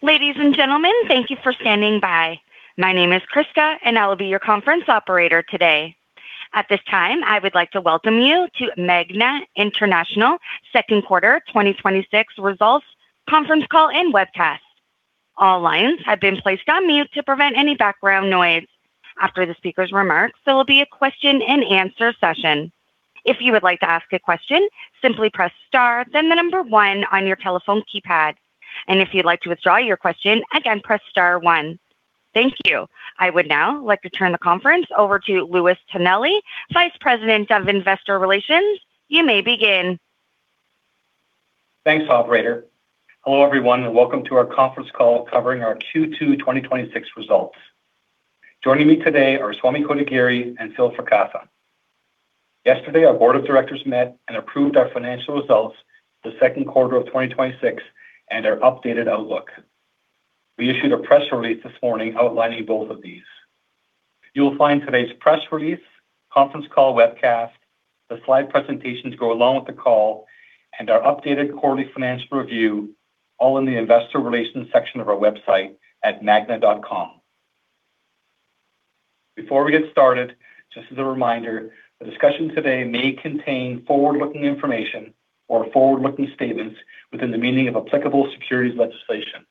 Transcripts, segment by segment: Ladies and gentlemen, thank you for standing by. My name is Chrisca, and I will be your conference operator today. At this time, I would like to welcome you to Magna International Second Quarter 2026 Results conference call and webcast. All lines have been placed on mute to prevent any background noise. After the speaker's remarks, there will be a question and answer session. If you would like to ask a question, simply press star then the number one on your telephone keypad. If you'd like to withdraw your question, again, press star one. Thank you. I would now like to turn the conference over to Louis Tonelli, Vice President of Investor Relations. You may begin. Thanks, operator. Hello, everyone, and welcome to our conference call covering our Q2 2026 results. Joining me today are Swamy Kotagiri and Phil Fracassa. Yesterday, our board of directors met and approved our financial results for the second quarter of 2026 and our updated outlook. We issued a press release this morning outlining both of these. You will find today's press release, conference call webcast, the slide presentations to go along with the call, and our updated quarterly financial review all in the investor relations section of our website at magna.com. Before we get started, just as a reminder, the discussion today may contain forward-looking information or forward-looking statements within the meaning of applicable securities legislation.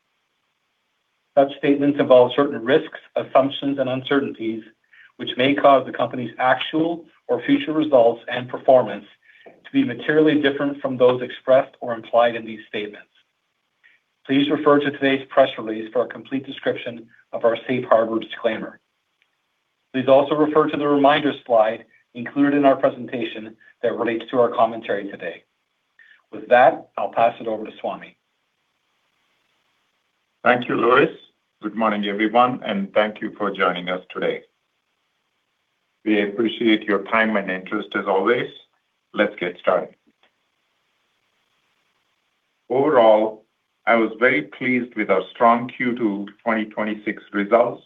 Such statements involve certain risks, assumptions, and uncertainties, which may cause the company's actual or future results and performance to be materially different from those expressed or implied in these statements. Please refer to today's press release for a complete description of our safe harbor disclaimer. Please also refer to the reminder slide included in our presentation that relates to our commentary today. With that, I'll pass it over to Swamy. Thank you, Louis. Good morning, everyone, and thank you for joining us today. We appreciate your time and interest as always. Let's get started. Overall, I was very pleased with our strong Q2 2026 results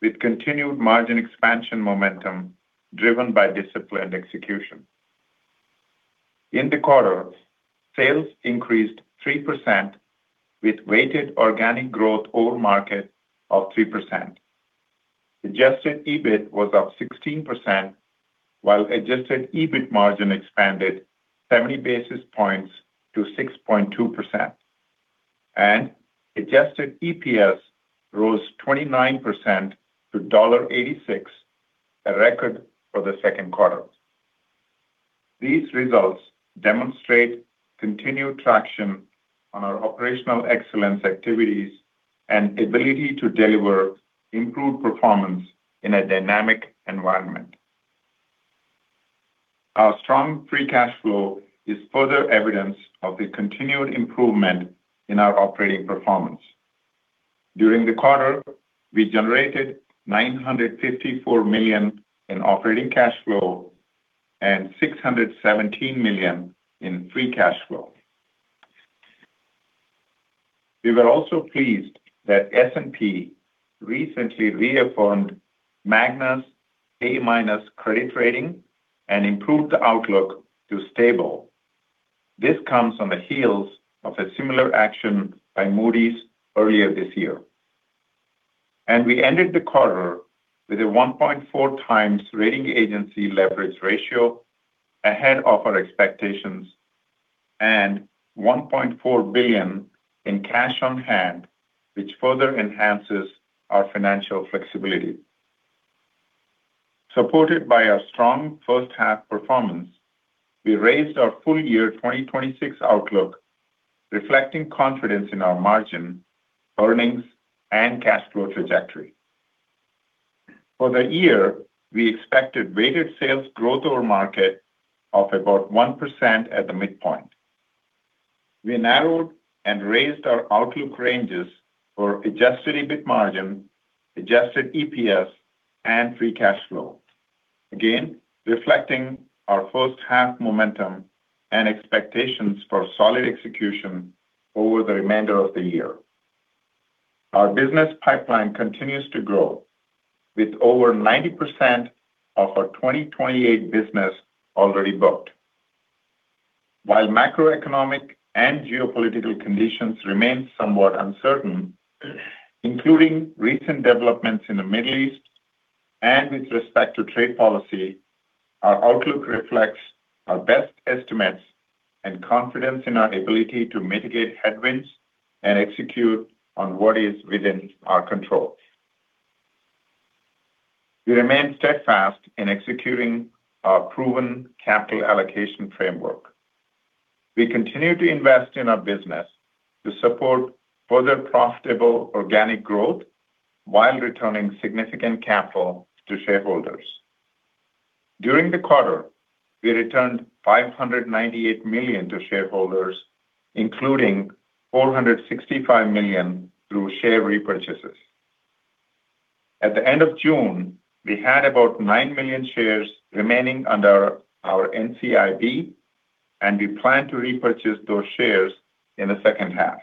with continued margin expansion momentum driven by disciplined execution. In the quarter, sales increased 3% with weighted organic growth over market of 3%. Adjusted EBIT was up 16%, while adjusted EBIT margin expanded 70 basis points to 6.2%. Adjusted EPS rose 29% to $1.86, a record for the second quarter. These results demonstrate continued traction on our operational excellence activities and ability to deliver improved performance in a dynamic environment. Our strong free cash flow is further evidence of the continued improvement in our operating performance. During the quarter, we generated $954 million in operating cash flow and $617 million in free cash flow. We were also pleased that S&P recently reaffirmed Magna's A-minus credit rating and improved the outlook to stable. This comes on the heels of a similar action by Moody's earlier this year. We ended the quarter with a 1.4x rating agency leverage ratio ahead of our expectations and $1.4 billion in cash on hand, which further enhances our financial flexibility. Supported by our strong first-half performance, we raised our full year 2026 outlook, reflecting confidence in our margin, earnings, and cash flow trajectory. For the year, we expected weighted sales growth over market of about 1% at the midpoint. We narrowed and raised our outlook ranges for adjusted EBIT margin, adjusted EPS, and free cash flow, again, reflecting our first-half momentum and expectations for solid execution over the remainder of the year. Our business pipeline continues to grow with over 90% of our 2028 business already booked. While macroeconomic and geopolitical conditions remain somewhat uncertain, including recent developments in the Middle East and with respect to trade policy, our outlook reflects our best estimates and confidence in our ability to mitigate headwinds and execute on what is within our control. We remain steadfast in executing our proven capital allocation framework. We continue to invest in our business to support further profitable organic growth while returning significant capital to shareholders. During the quarter, we returned $598 million to shareholders, including $465 million through share repurchases. At the end of June, we had about 9 million shares remaining under our NCIB, and we plan to repurchase those shares in the second half.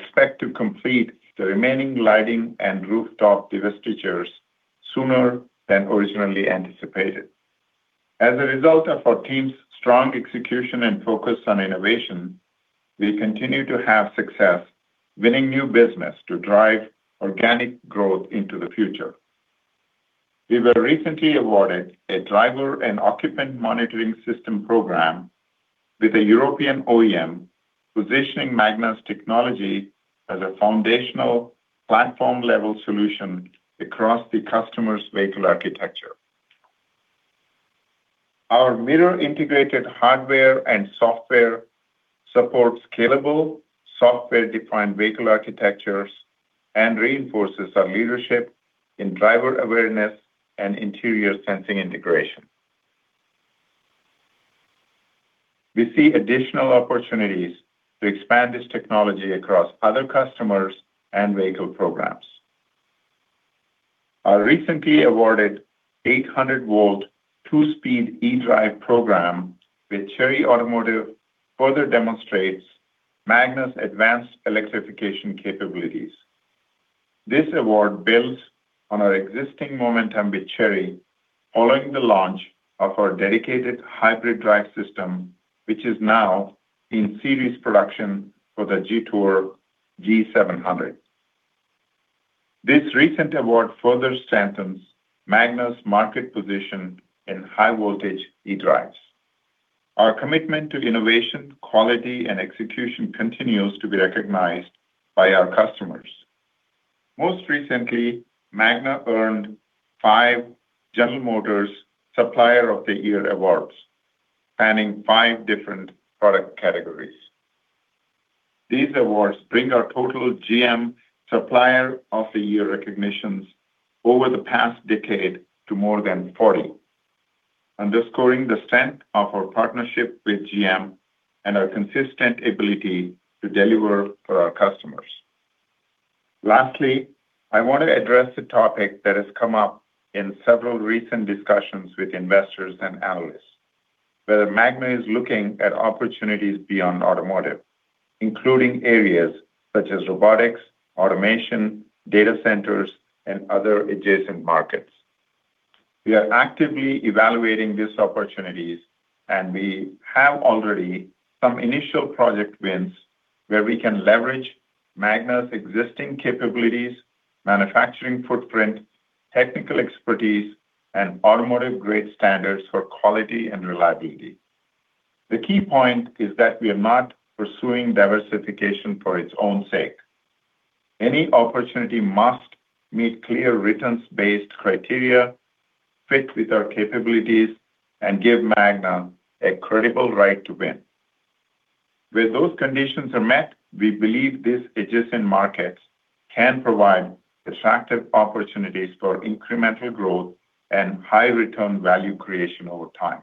Expect to complete the remaining lighting and rooftop divestitures sooner than originally anticipated. As a result of our team's strong execution and focus on innovation, we continue to have success winning new business to drive organic growth into the future. We were recently awarded a driver and occupant monitoring system program with a European OEM, positioning Magna's technology as a foundational platform-level solution across the customer's vehicle architecture. Our mirror-integrated hardware and software supports scalable software-defined vehicle architectures and reinforces our leadership in driver awareness and interior sensing integration. We see additional opportunities to expand this technology across other customers and vehicle programs. Our recently awarded 800 V two-speed e-drive program with Chery Automobile further demonstrates Magna's advanced electrification capabilities. This award builds on our existing momentum with Chery following the launch of our dedicated hybrid drive system, which is now in series production for the Jetour T2. This recent award further strengthens Magna's market position in high voltage e-drives. Our commitment to innovation, quality, and execution continues to be recognized by our customers. Most recently, Magna earned five General Motors Supplier of the Year awards, spanning five different product categories. These awards bring our total GM Supplier of the Year recognitions over the past decade to more than 40, underscoring the strength of our partnership with GM and our consistent ability to deliver for our customers. Lastly, I want to address a topic that has come up in several recent discussions with investors and analysts, whether Magna is looking at opportunities beyond automotive, including areas such as robotics, automation, data centers, and other adjacent markets. We are actively evaluating these opportunities, and we have already some initial project wins where we can leverage Magna's existing capabilities, manufacturing footprint, technical expertise, and automotive-grade standards for quality and reliability. The key point is that we are not pursuing diversification for its own sake. Any opportunity must meet clear returns-based criteria, fit with our capabilities, and give Magna a credible right to win. Where those conditions are met, we believe these adjacent markets can provide attractive opportunities for incremental growth and high return value creation over time.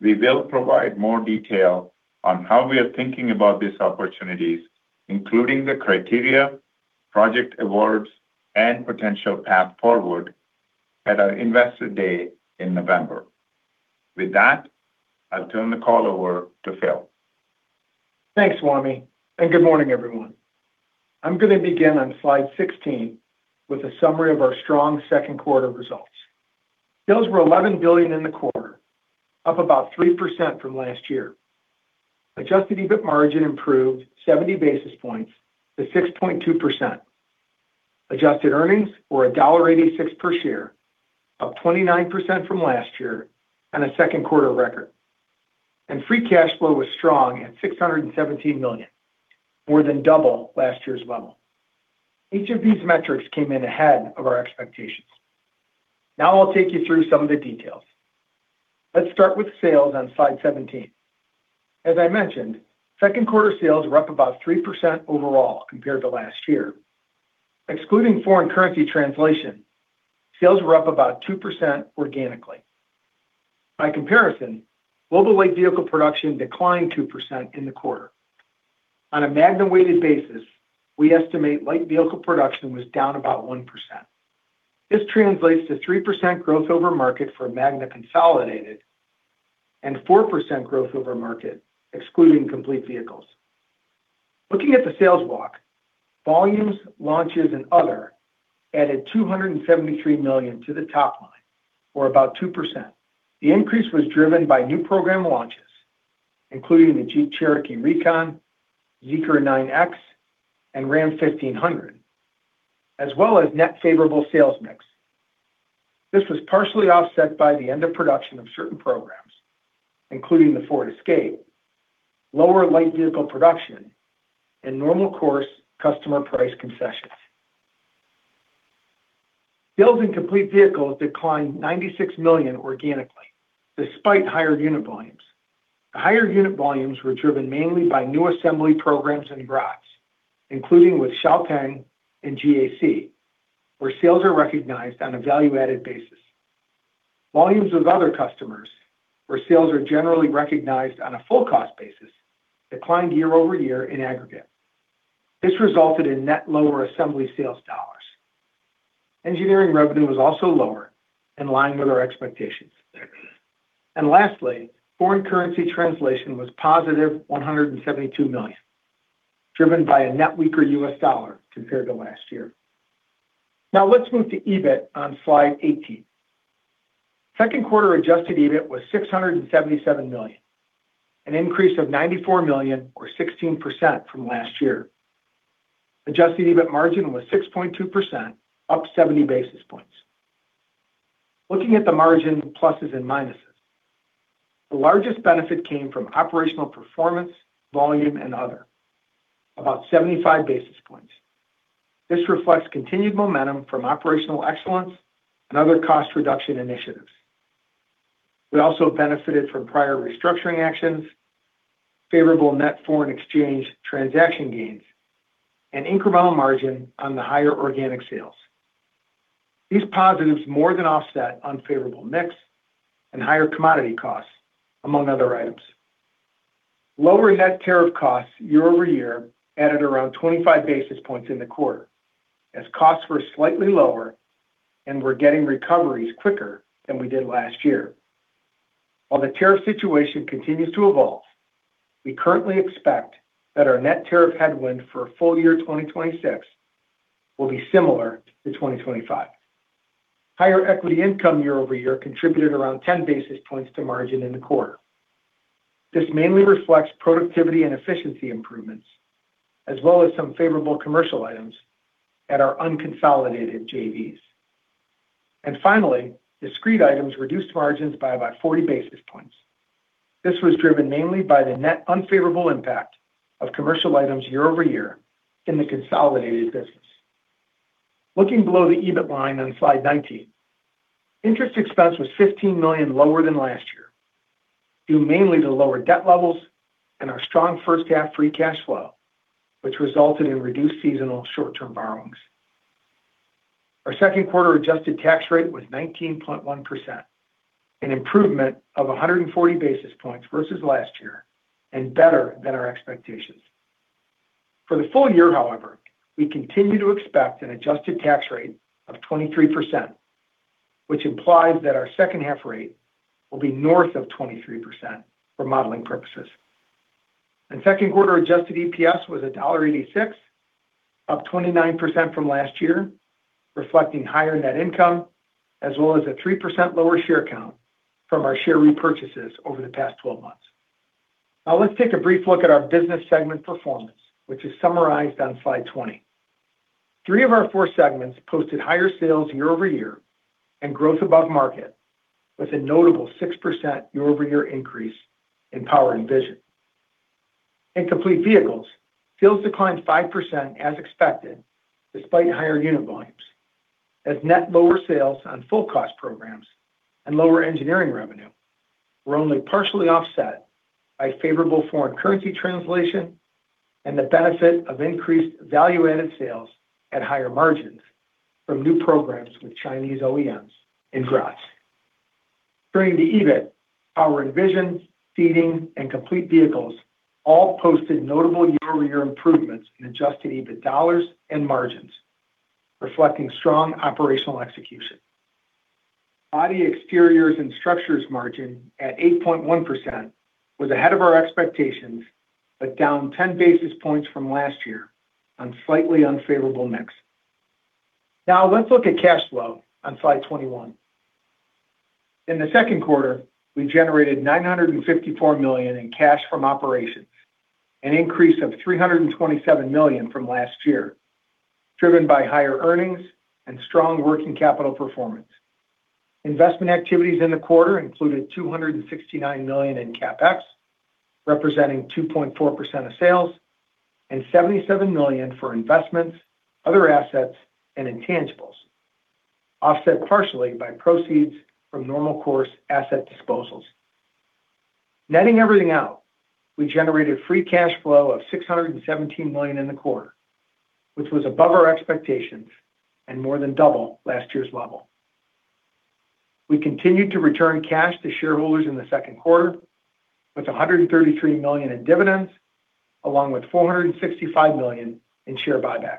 We will provide more detail on how we are thinking about these opportunities, including the criteria, project awards, and potential path forward at our investor day in November. With that, I'll turn the call over to Phil. Thanks, Swamy, and good morning, everyone. I'm gonna begin on slide 16 with a summary of our strong second quarter results. Sales were $11 billion in the quarter, up about 3% from last year. Adjusted EBIT margin improved 70 basis points to 6.2%. Adjusted earnings were $1.86 per share, up 29% from last year, and a second quarter record. Free cash flow was strong at $617 million, more than double last year's level. Each of these metrics came in ahead of our expectations. Now I'll take you through some of the details. Let's start with sales on slide 17. As I mentioned, second quarter sales were up about 3% overall compared to last year. Excluding foreign currency translation, sales were up about 2% organically. By comparison, global light vehicle production declined 2% in the quarter. On a Magna-weighted basis, we estimate light vehicle production was down about 1%. This translates to 3% growth over market for Magna consolidated and 4% growth over market excluding Complete Vehicles. Looking at the sales walk, volumes, launches, and other added $273 million to the top line, or about 2%. The increase was driven by new program launches, including the Jeep Cherokee Recon, Zeekr 9X, and Ram 1500, as well as net favorable sales mix. This was partially offset by the end of production of certain programs, including the Ford Escape, lower light vehicle production, and normal course customer price concessions. Sales in Complete Vehicles declined $96 million organically, despite higher unit volumes. The higher unit volumes were driven mainly by new assembly programs and Graz, including with XPeng and GAC, where sales are recognized on a value-added basis. Volumes with other customers, where sales are generally recognized on a full cost basis, declined year-over-year in aggregate. This resulted in net lower assembly sales dollars. Engineering revenue was also lower, in line with our expectations. Lastly, foreign currency translation was positive $172 million, driven by a net weaker U.S. dollar compared to last year. Now let's move to EBIT on slide 18. Second quarter adjusted EBIT was $677 million, an increase of $94 million or 16% from last year. Adjusted EBIT margin was 6.2%, up 70 basis points. Looking at the margin pluses and minuses, the largest benefit came from operational performance, volume, and other, about 75 basis points. This reflects continued momentum from operational excellence and other cost reduction initiatives. We also benefited from prior restructuring actions, favorable net foreign exchange transaction gains, and incremental margin on the higher organic sales. These positives more than offset unfavorable mix and higher commodity costs, among other items. Lower net tariff costs year-over-year added around 25 basis points in the quarter, as costs were slightly lower, and we're getting recoveries quicker than we did last year. While the tariff situation continues to evolve, we currently expect that our net tariff headwind for full year 2026 will be similar to 2025. Higher equity income year-over-year contributed around 10 basis points to margin in the quarter. This mainly reflects productivity and efficiency improvements, as well as some favorable commercial items at our unconsolidated JVs. Finally, discrete items reduced margins by about 40 basis points. This was driven mainly by the net unfavorable impact of commercial items year-over-year in the consolidated business. Looking below the EBIT line on Slide 19, interest expense was $15 million lower than last year, due mainly to lower debt levels and our strong first half free cash flow, which resulted in reduced seasonal short-term borrowings. Our second quarter adjusted tax rate was 19.1%, an improvement of 140 basis points versus last year and better than our expectations. For the full year, however, we continue to expect an adjusted tax rate of 23%, which implies that our second half rate will be north of 23% for modeling purposes. Second quarter adjusted EPS was $1.86, up 29% from last year, reflecting higher net income as well as a 3% lower share count from our share repurchases over the past 12 months. Now let's take a brief look at our business segment performance, which is summarized on Slide 20. Three of our four segments posted higher sales year-over-year and growth above market, with a notable 6% year-over-year increase in Power & Vision. In Complete Vehicles, sales declined 5% as expected, despite higher unit volumes, as net lower sales on full cost programs and lower engineering revenue were only partially offset by favorable foreign currency translation and the benefit of increased value-added sales at higher margins from new programs with Chinese OEMs and GAC. Turning to EBIT, our Power & Vision, Seating Systems, and Complete Vehicles all posted notable year-over-year improvements in adjusted EBIT dollars and margins, reflecting strong operational execution. Body Exteriors & Structures margin, at 8.1%, was ahead of our expectations, but down 10 basis points from last year on slightly unfavorable mix. Now let's look at cash flow on Slide 21. In the second quarter, we generated $954 million in cash from operations, an increase of $327 million from last year, driven by higher earnings and strong working capital performance. Investment activities in the quarter included $269 million in CapEx, representing 2.4% of sales, and $77 million for investments, other assets, and intangibles, offset partially by proceeds from normal course asset disposals. Netting everything out, we generated free cash flow of $617 million in the quarter, which was above our expectations and more than double last year's level. We continued to return cash to shareholders in the second quarter, with $133 million in dividends, along with $465 million in share buybacks.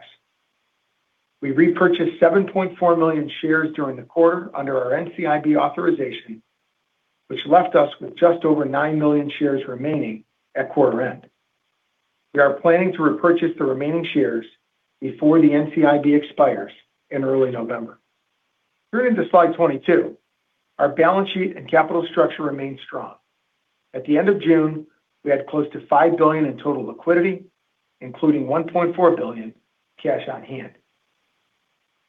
We repurchased 7.4 million shares during the quarter under our NCIB authorization, which left us with just over 9 million shares remaining at quarter end. We are planning to repurchase the remaining shares before the NCIB expires in early November. Turning to Slide 22, our balance sheet and capital structure remain strong. At the end of June, we had close to $5 billion in total liquidity, including $1.4 billion cash on hand.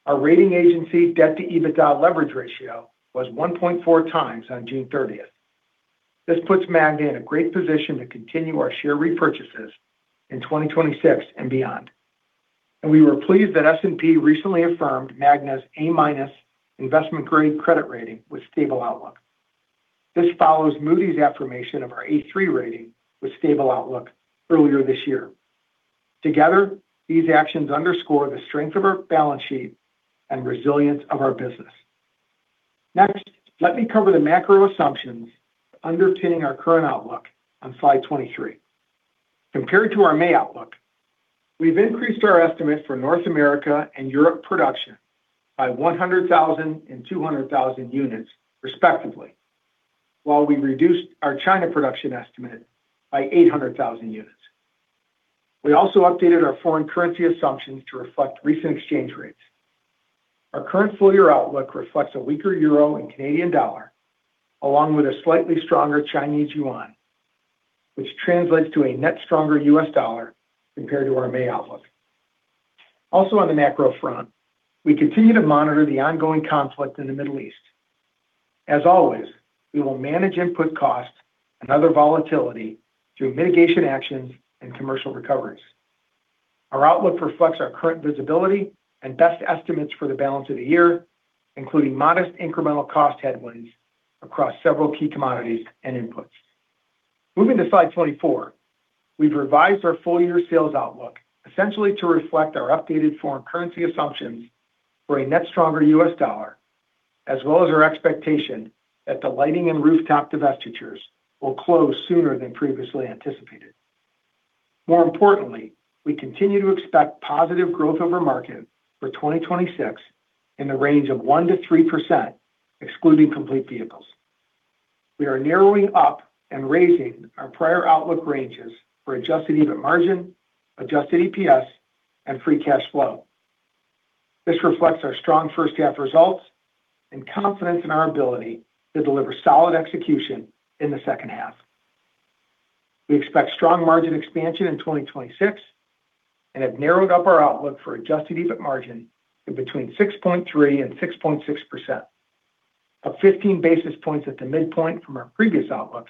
Our rating agency debt to EBITDA leverage ratio was 1.4x on June 30th. This puts Magna in a great position to continue our share repurchases in 2026 and beyond, and we were pleased that S&P recently affirmed Magna's A- investment grade credit rating with stable outlook. This follows Moody's affirmation of our A.3 rating with stable outlook earlier this year. Together, these actions underscore the strength of our balance sheet and resilience of our business. Let me cover the macro assumptions underpinning our current outlook on slide 23. Compared to our May outlook, we've increased our estimates for North America and Europe production by 100,000 and 200,000 units respectively, while we reduced our China production estimate by 800,000 units. We also updated our foreign currency assumptions to reflect recent exchange rates. Our current full-year outlook reflects a weaker euro and Canadian dollar, along with a slightly stronger Chinese yuan, which translates to a net stronger US dollar compared to our May outlook. On the macro front, we continue to monitor the ongoing conflict in the Middle East. As always, we will manage input costs and other volatility through mitigation actions and commercial recoveries. Our outlook reflects our current visibility and best estimates for the balance of the year, including modest incremental cost headwinds across several key commodities and inputs. Moving to slide 24, we've revised our full-year sales outlook essentially to reflect our updated foreign currency assumptions for a net stronger US dollar, as well as our expectation that the lighting and rooftop divestitures will close sooner than previously anticipated. Importantly, we continue to expect positive growth over market for 2026 in the range of 1%-3%, excluding Complete Vehicles. We are narrowing up and raising our prior outlook ranges for adjusted EBIT margin, adjusted EPS, and free cash flow. This reflects our strong first half results and confidence in our ability to deliver solid execution in the second half. We expect strong margin expansion in 2026 and have narrowed up our outlook for adjusted EBIT margin to between 6.3% and 6.6%, up 15 basis points at the midpoint from our previous outlook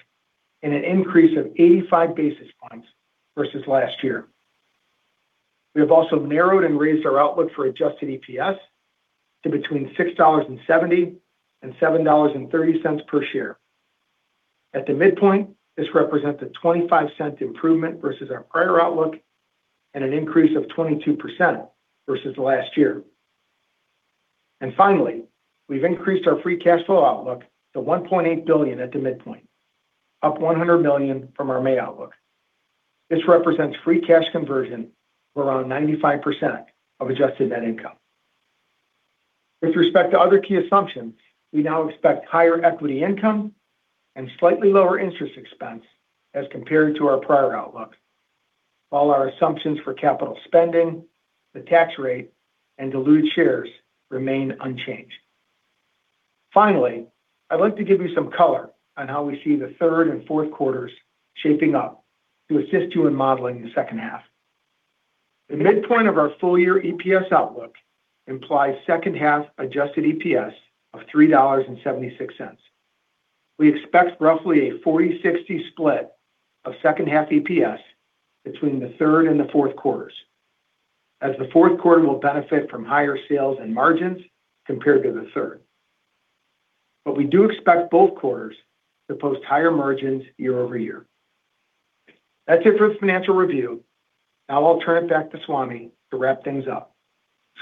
and an increase of 85 basis points versus last year. We have narrowed and raised our outlook for adjusted EPS to between $6.70 and $7.30 per share. At the midpoint, this represents a $0.25 improvement versus our prior outlook and an increase of 22% versus last year. Finally, we've increased our free cash flow outlook to $1.8 billion at the midpoint, up $100 million from our May outlook. This represents free cash conversion of around 95% of adjusted net income. With respect to other key assumptions, we now expect higher equity income and slightly lower interest expense as compared to our prior outlook. Our assumptions for capital spending, the tax rate, and dilute shares remain unchanged. Finally, I'd like to give you some color on how we see the third and fourth quarters shaping up to assist you in modeling the second half. The midpoint of our full-year EPS outlook implies second half adjusted EPS of $3.76. We expect roughly a 40/60 split of second half EPS between the third and the fourth quarters, as the fourth quarter will benefit from higher sales and margins compared to the third. We do expect both quarters to post higher margins year-over-year. That's it for the financial review. Now I'll turn it back to Swamy to wrap things up.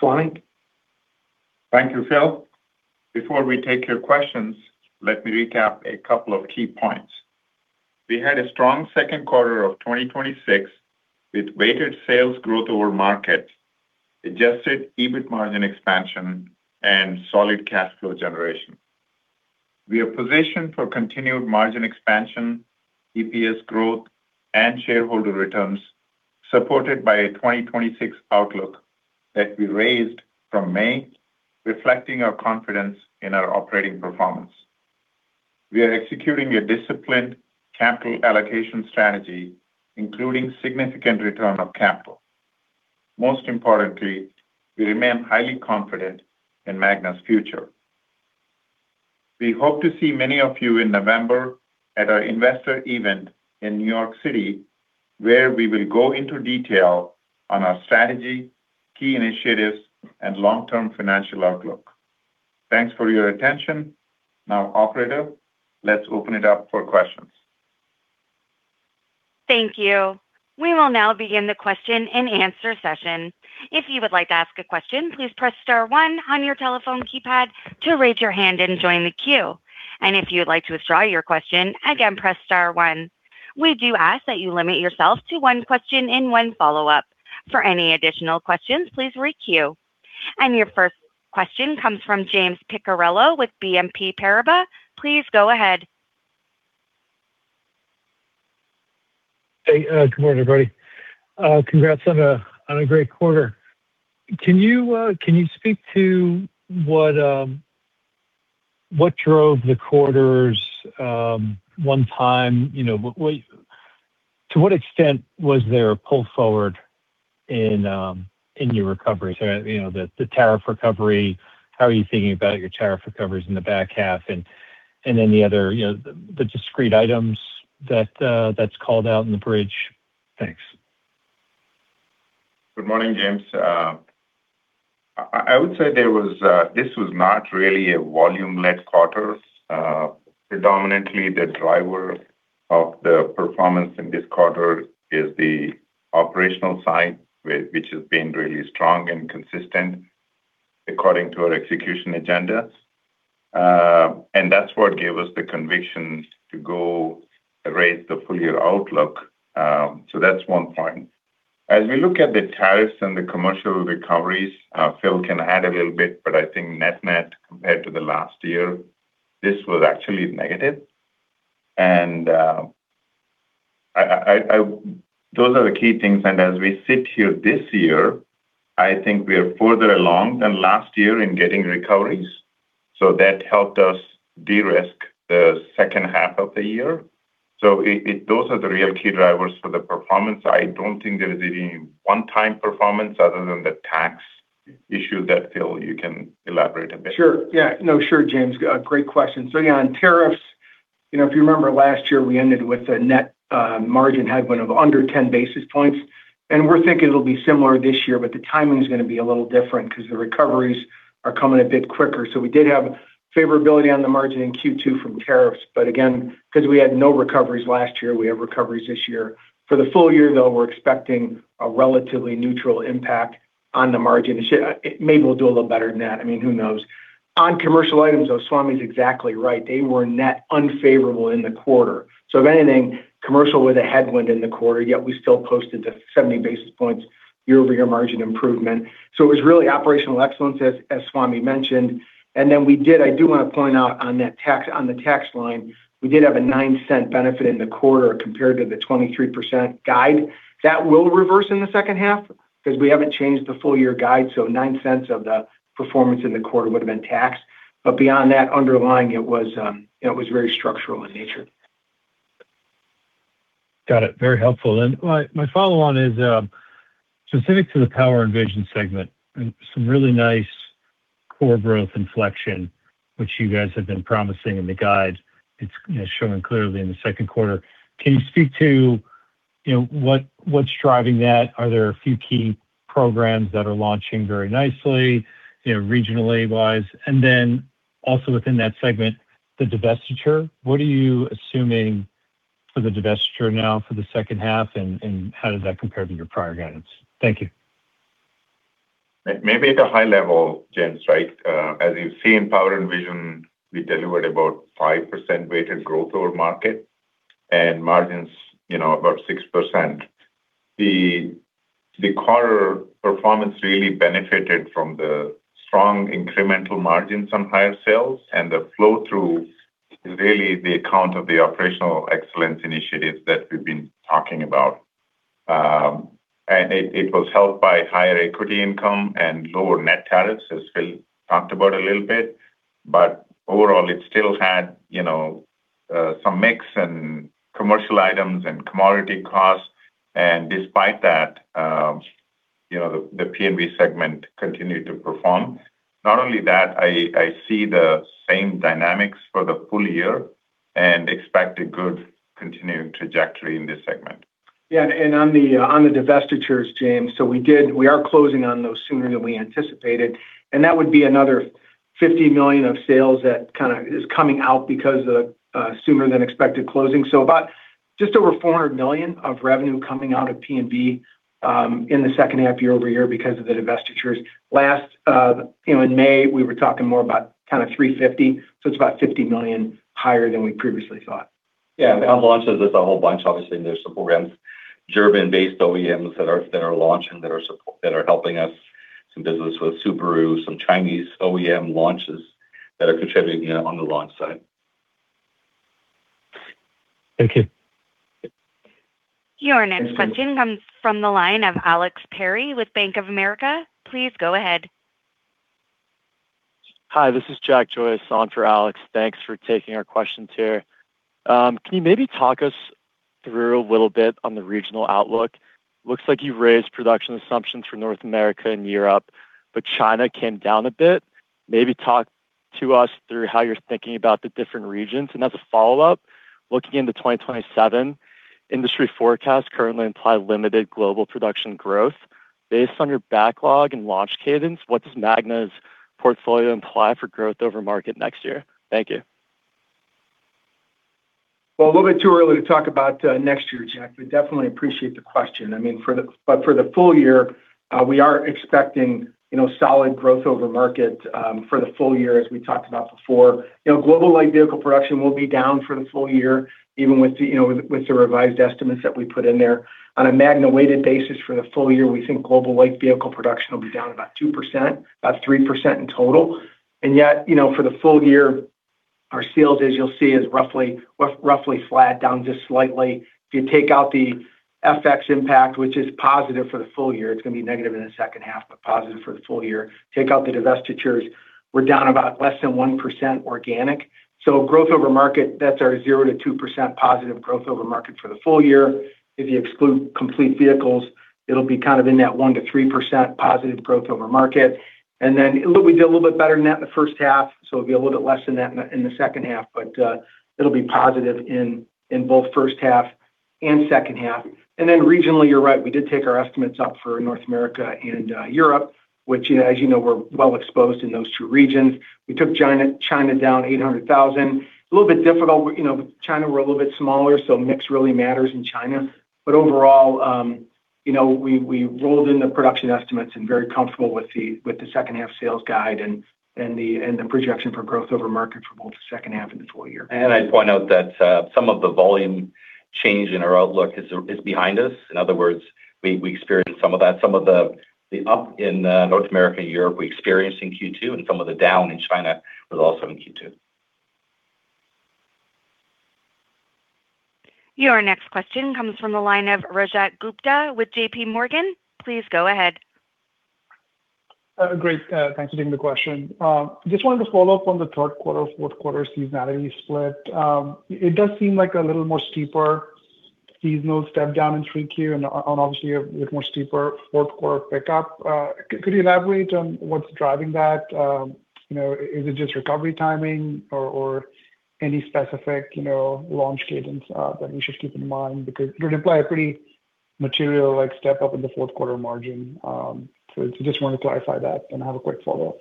Swamy? Thank you, Phil. Before we take your questions, let me recap a couple of key points. We had a strong second quarter of 2026 with weighted sales growth over market, adjusted EBIT margin expansion, and solid cash flow generation. We are positioned for continued margin expansion, EPS growth, and shareholder returns, supported by a 2026 outlook that we raised from May, reflecting our confidence in our operating performance. We are executing a disciplined capital allocation strategy, including significant return of capital. Most importantly, we remain highly confident in Magna's future. We hope to see many of you in November at our investor event in New York City, where we will go into detail on our strategy, key initiatives, and long-term financial outlook. Thanks for your attention. Operator, let's open it up for questions. Thank you. We will now begin the question and answer session. If you would like to ask a question, please press star one on your telephone keypad to raise your hand and join the queue. If you would like to withdraw your question, again, press star one. We do ask that you limit yourself to one question and one follow-up. For any additional questions, please re-queue. Your first question comes from James Picariello with BNP Paribas. Please go ahead. Hey, good morning, everybody. Congrats on a great quarter. Can you speak to what drove the quarter's, to what extent was there a pull forward in your recovery? The tariff recovery, how are you thinking about your tariff recoveries in the back half? The other discrete items that's called out in the bridge. Thanks. Good morning, James. I would say this was not really a volume-led quarter. Predominantly, the driver of the performance in this quarter is the operational side, which has been really strong and consistent according to our execution agenda. That's what gave us the conviction to go raise the full-year outlook. That's one point. As we look at the tariffs and the commercial recoveries, Phil can add a little bit, but I think net-net compared to the last year, this was actually negative. Those are the key things. As we sit here this year, I think we are further along than last year in getting recoveries. That helped us de-risk the second half of the year. Those are the real key drivers for the performance. I don't think there is any one-time performance other than the tax issue that, Phil, you can elaborate a bit. Sure. Yeah. No, sure, James. Great question. Yeah, on tariffs, if you remember last year, we ended with a net margin headwind of under 10 basis points, and we're thinking it'll be similar this year, but the timing is going to be a little different because the recoveries are coming a bit quicker. We did have favorability on the margin in Q2 from tariffs. Again, because we had no recoveries last year, we have recoveries this year. For the full year, though, we're expecting a relatively neutral impact on the margin. Maybe we'll do a little better than that. I mean, who knows? On commercial items, though, Swamy's exactly right. They were net unfavorable in the quarter. If anything, commercial was a headwind in the quarter, yet we still posted the 70 basis points year-over-year margin improvement. It was really operational excellence, as Swamy mentioned. We did, I do want to point out on the tax line, we did have a $0.09 benefit in the quarter compared to the 23% guide. That will reverse in the second half because we haven't changed the full-year guide, so $0.09 of the performance in the quarter would have been taxed. Beyond that, underlying, it was very structural in nature. Got it. Very helpful. My follow-on is specific to the Power & Vision segment and some really nice core growth inflection, which you guys have been promising in the guide. It's shown clearly in the second quarter. Can you speak to what's driving that? Are there a few key programs that are launching very nicely, regionally wise? Also within that segment, the divestiture, what are you assuming for the divestiture now for the second half, and how does that compare to your prior guidance? Thank you. Maybe at a high level, James, right? As you see in Power & Vision, we delivered about 5% weighted growth over market and margins about 6%. The quarter performance really benefited from the strong incremental margins on higher sales and the flow-through is really the account of the operational excellence initiatives that we've been talking about. It was helped by higher equity income and lower net tariffs, as Phil talked about a little bit. Overall, it still had some mix and commercial items and commodity costs. Despite that, the P&V segment continued to perform. Not only that, I see the same dynamics for the full year and expect a good continuing trajectory in this segment. On the divestitures, James, we are closing on those sooner than we anticipated. That would be another $50 million of sales that is coming out because of sooner than expected closing. About just over $400 million of revenue coming out of P&V in the second half year-over-year because of the divestitures. In May, we were talking more about $350 million, so it's about $50 million higher than we previously thought. On launches, there's a whole bunch, obviously, in those programs. German-based OEMs that are launching that are helping us. Some business with Subaru, some Chinese OEM launches that are contributing on the launch side. Thank you. Your next question comes from the line of Alex Perry with Bank of America. Please go ahead. Hi, this is Jack Joyce on for Alex. Thanks for taking our questions here. Can you maybe talk us through a little bit on the regional outlook? Looks like you've raised production assumptions for North America and Europe, but China came down a bit. Maybe talk to us through how you're thinking about the different regions. As a follow-up, looking into 2027 industry forecast currently imply limited global production growth. Based on your backlog and launch cadence, what does Magna's portfolio imply for growth over market next year? Thank you. Well, a little bit too early to talk about next year, Jack. We definitely appreciate the question. But for the full year, we are expecting solid growth over market for the full year, as we talked about before. Global light vehicle production will be down for the full year, even with the revised estimates that we put in there. On a Magna-weighted basis for the full year, we think global light vehicle production will be down about 2%, about 3% in total. Yet, for the full year, our sales, as you'll see, is roughly flat, down just slightly. If you take out the FX impact, which is positive for the full year, it's going to be negative in the second half, but positive for the full year. Take out the divestitures, we're down about less than 1% organic. Growth over market, that's our 0%-2% positive growth over market for the full year. If you exclude Complete Vehicles, it'll be in that 1%-3% positive growth over market. Then we did a little bit better than that in the first half, so it'll be a little bit less than that in the second half, but it'll be positive in both first half second half. Then regionally, you're right, we did take our estimates up for North America and Europe, which, as you know, we're well exposed in those two regions. We took China down 800,000. A little bit difficult with China. We're a little bit smaller, so mix really matters in China. Overall, we rolled in the production estimates and very comfortable with the second half sales guide and the projection for growth over market for both the second half and the full year. I'd point out that some of the volume change in our outlook is behind us. In other words, we experienced some of that, some of the up in North America, Europe we experienced in Q2, and some of the down in China was also in Q2. Your next question comes from the line of Rajat Gupta with JPMorgan. Please go ahead. Great. Thanks for taking the question. Just wanted to follow up on the third quarter, fourth quarter seasonality split. It does seem like a little more steeper seasonal step down in 3Q and obviously a little more steeper fourth quarter pickup. Could you elaborate on what's driving that? Is it just recovery timing or any specific launch cadence that we should keep in mind? Because it would imply a pretty material step up in the fourth quarter margin. Just want to clarify that and have a quick follow-up.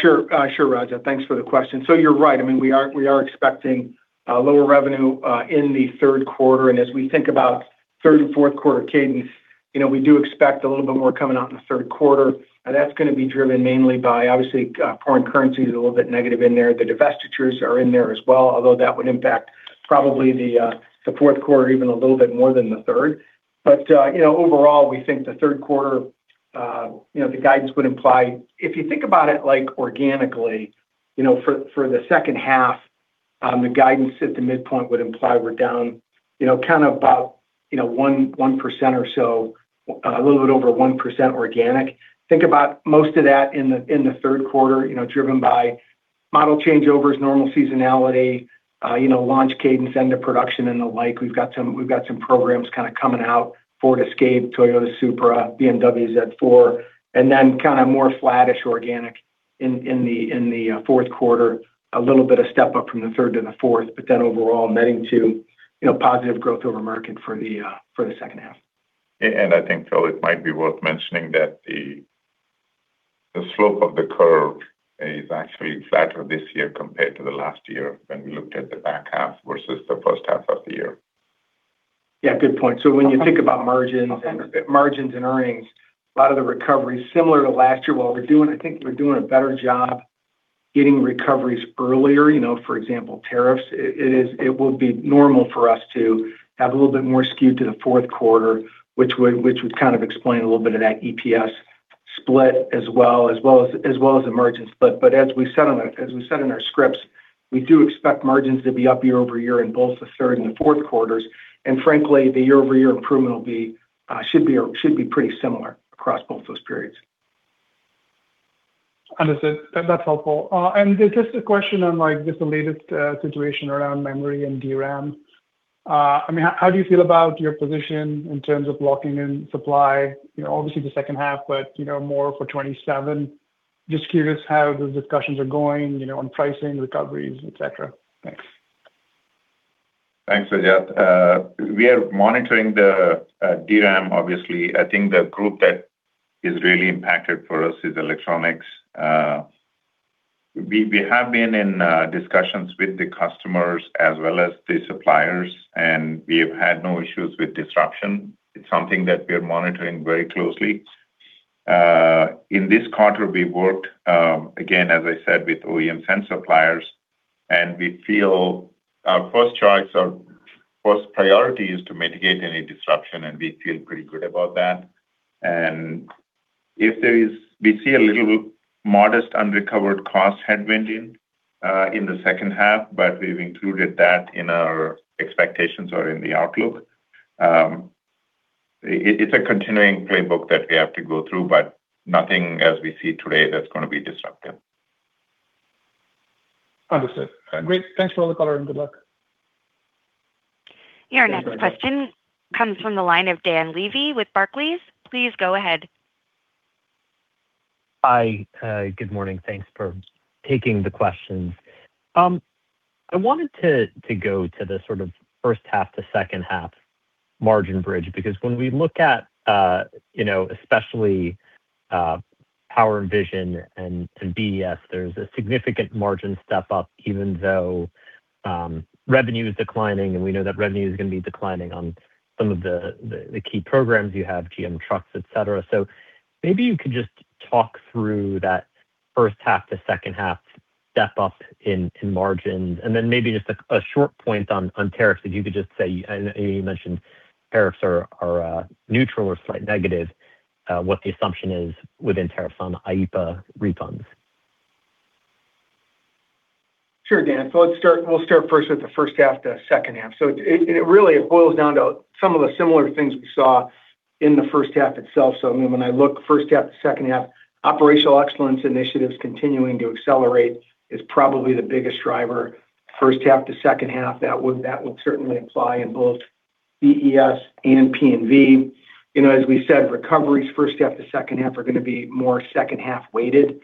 Sure, Rajat. Thanks for the question. You're right. We are expecting lower revenue in the third quarter, and as we think about third and fourth quarter cadence, we do expect a little bit more coming out in the third quarter. That's going to be driven mainly by, obviously, foreign currency is a little bit negative in there. The divestitures are in there as well, although that would impact probably the fourth quarter even a little bit more than the third. Overall, we think the third quarter, the guidance would imply, if you think about it organically, for the second half, the guidance at the midpoint would imply we're down kind of about 1% or so, a little bit over 1% organic. Think about most of that in the third quarter, driven by model changeovers, normal seasonality, launch cadence, end of production and the like. We've got some programs kind of coming out, Ford Escape, Toyota Supra, BMW Z4. Then kind of more flattish organic in the fourth quarter, a little bit of step up from the third to the fourth, but then overall netting to positive growth over market for the second half. I think, Phil, it might be worth mentioning that the slope of the curve is actually flatter this year compared to the last year when we looked at the back half versus the first half of the year. Good point. When you think about margins and earnings, a lot of the recovery, similar to last year, while we're doing, I think we're doing a better job getting recoveries earlier. For example, tariffs. It would be normal for us to have a little bit more skewed to the fourth quarter, which would kind of explain a little bit of that EPS split as well as the margins split. As we said in our scripts, we do expect margins to be up year-over-year in both the third and the fourth quarters. Frankly, the year-over-year improvement should be pretty similar across both those periods. Understood. That's helpful. Just a question on, just the latest situation around memory and DRAM. How do you feel about your position in terms of locking in supply? Obviously the second half, but more for 2027. Just curious how the discussions are going on pricing, recoveries, et cetera. Thanks. Thanks, Rajat. We are monitoring the DRAM, obviously. I think the group that is really impacted for us is electronics. We have been in discussions with the customers as well as the suppliers, and we've had no issues with disruption. It's something that we're monitoring very closely. In this quarter, we've worked, again, as I said, with OEM and suppliers, and we feel our first choice, our first priority is to mitigate any disruption, and we feel pretty good about that. We see a little modest unrecovered cost headwind in the second half, but we've included that in our expectations or in the outlook. It's a continuing playbook that we have to go through, but nothing as we see today that's going to be disruptive. Understood. Great. Thanks for all the color, and good luck. Thanks, Rajat. Your next question comes from the line of Dan Levy with Barclays. Please go ahead. Hi. Good morning. Thanks for taking the questions. I wanted to go to the sort of first half to second half margin bridge, because when we look at especially Power & Vision and BE&S, there's a significant margin step up, even though revenue is declining, and we know that revenue is going to be declining on some of the key programs you have, GM trucks, et cetera. Maybe you could just talk through that first half to second half step up in margins, and then maybe just a short point on tariffs that you could just say. I know you mentioned tariffs are neutral or slight negative, what the assumption is within tariffs on IEEPA refunds. Sure, Dan. We'll start first with the first half to second half. It really boils down to some of the similar things we saw in the first half itself. When I look first half to second half, operational excellence initiatives continuing to accelerate is probably the biggest driver. First half to second half, that would certainly apply in both BE&S and P&V. As we said, recoveries first half to second half are going to be more second half weighted.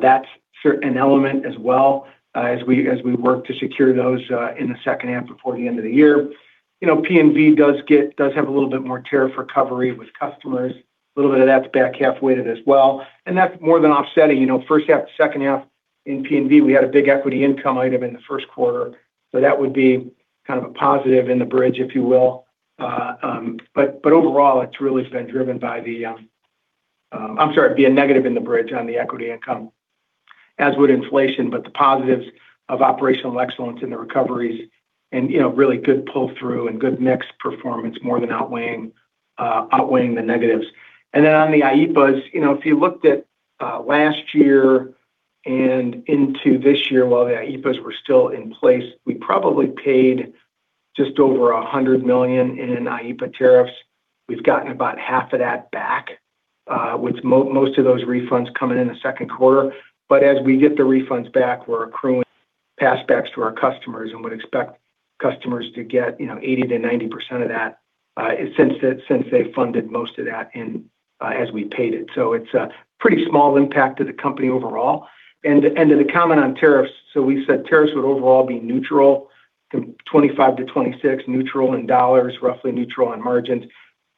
That's an element as well, as we work to secure those in the second half before the end of the year. P&V does have a little bit more tariff recovery with customers, a little bit of that's back half weighted as well, and that's more than offsetting. First half to second half in P&V, we had a big equity income item in the first quarter. That would be kind of a positive in the bridge, if you will. But overall, it's really been driven by a negative in the bridge on the equity income, as would inflation, but the positives of operational excellence in the recoveries and really good pull-through and good mix performance more than outweighing the negatives. On the IEEPA's, if you looked at last year and into this year while the IEEPA's were still in place, we probably paid just over $100 million in IEEPA tariffs. We've gotten about half of that back, with most of those refunds coming in the second quarter. But as we get the refunds back, we're accruing pass backs to our customers and would expect customers to get 80%-90% of that since they funded most of that as we paid it. It's a pretty small impact to the company overall. To the comment on tariffs, we said tariffs would overall be neutral, $25-$26 neutral in dollars, roughly neutral on margins,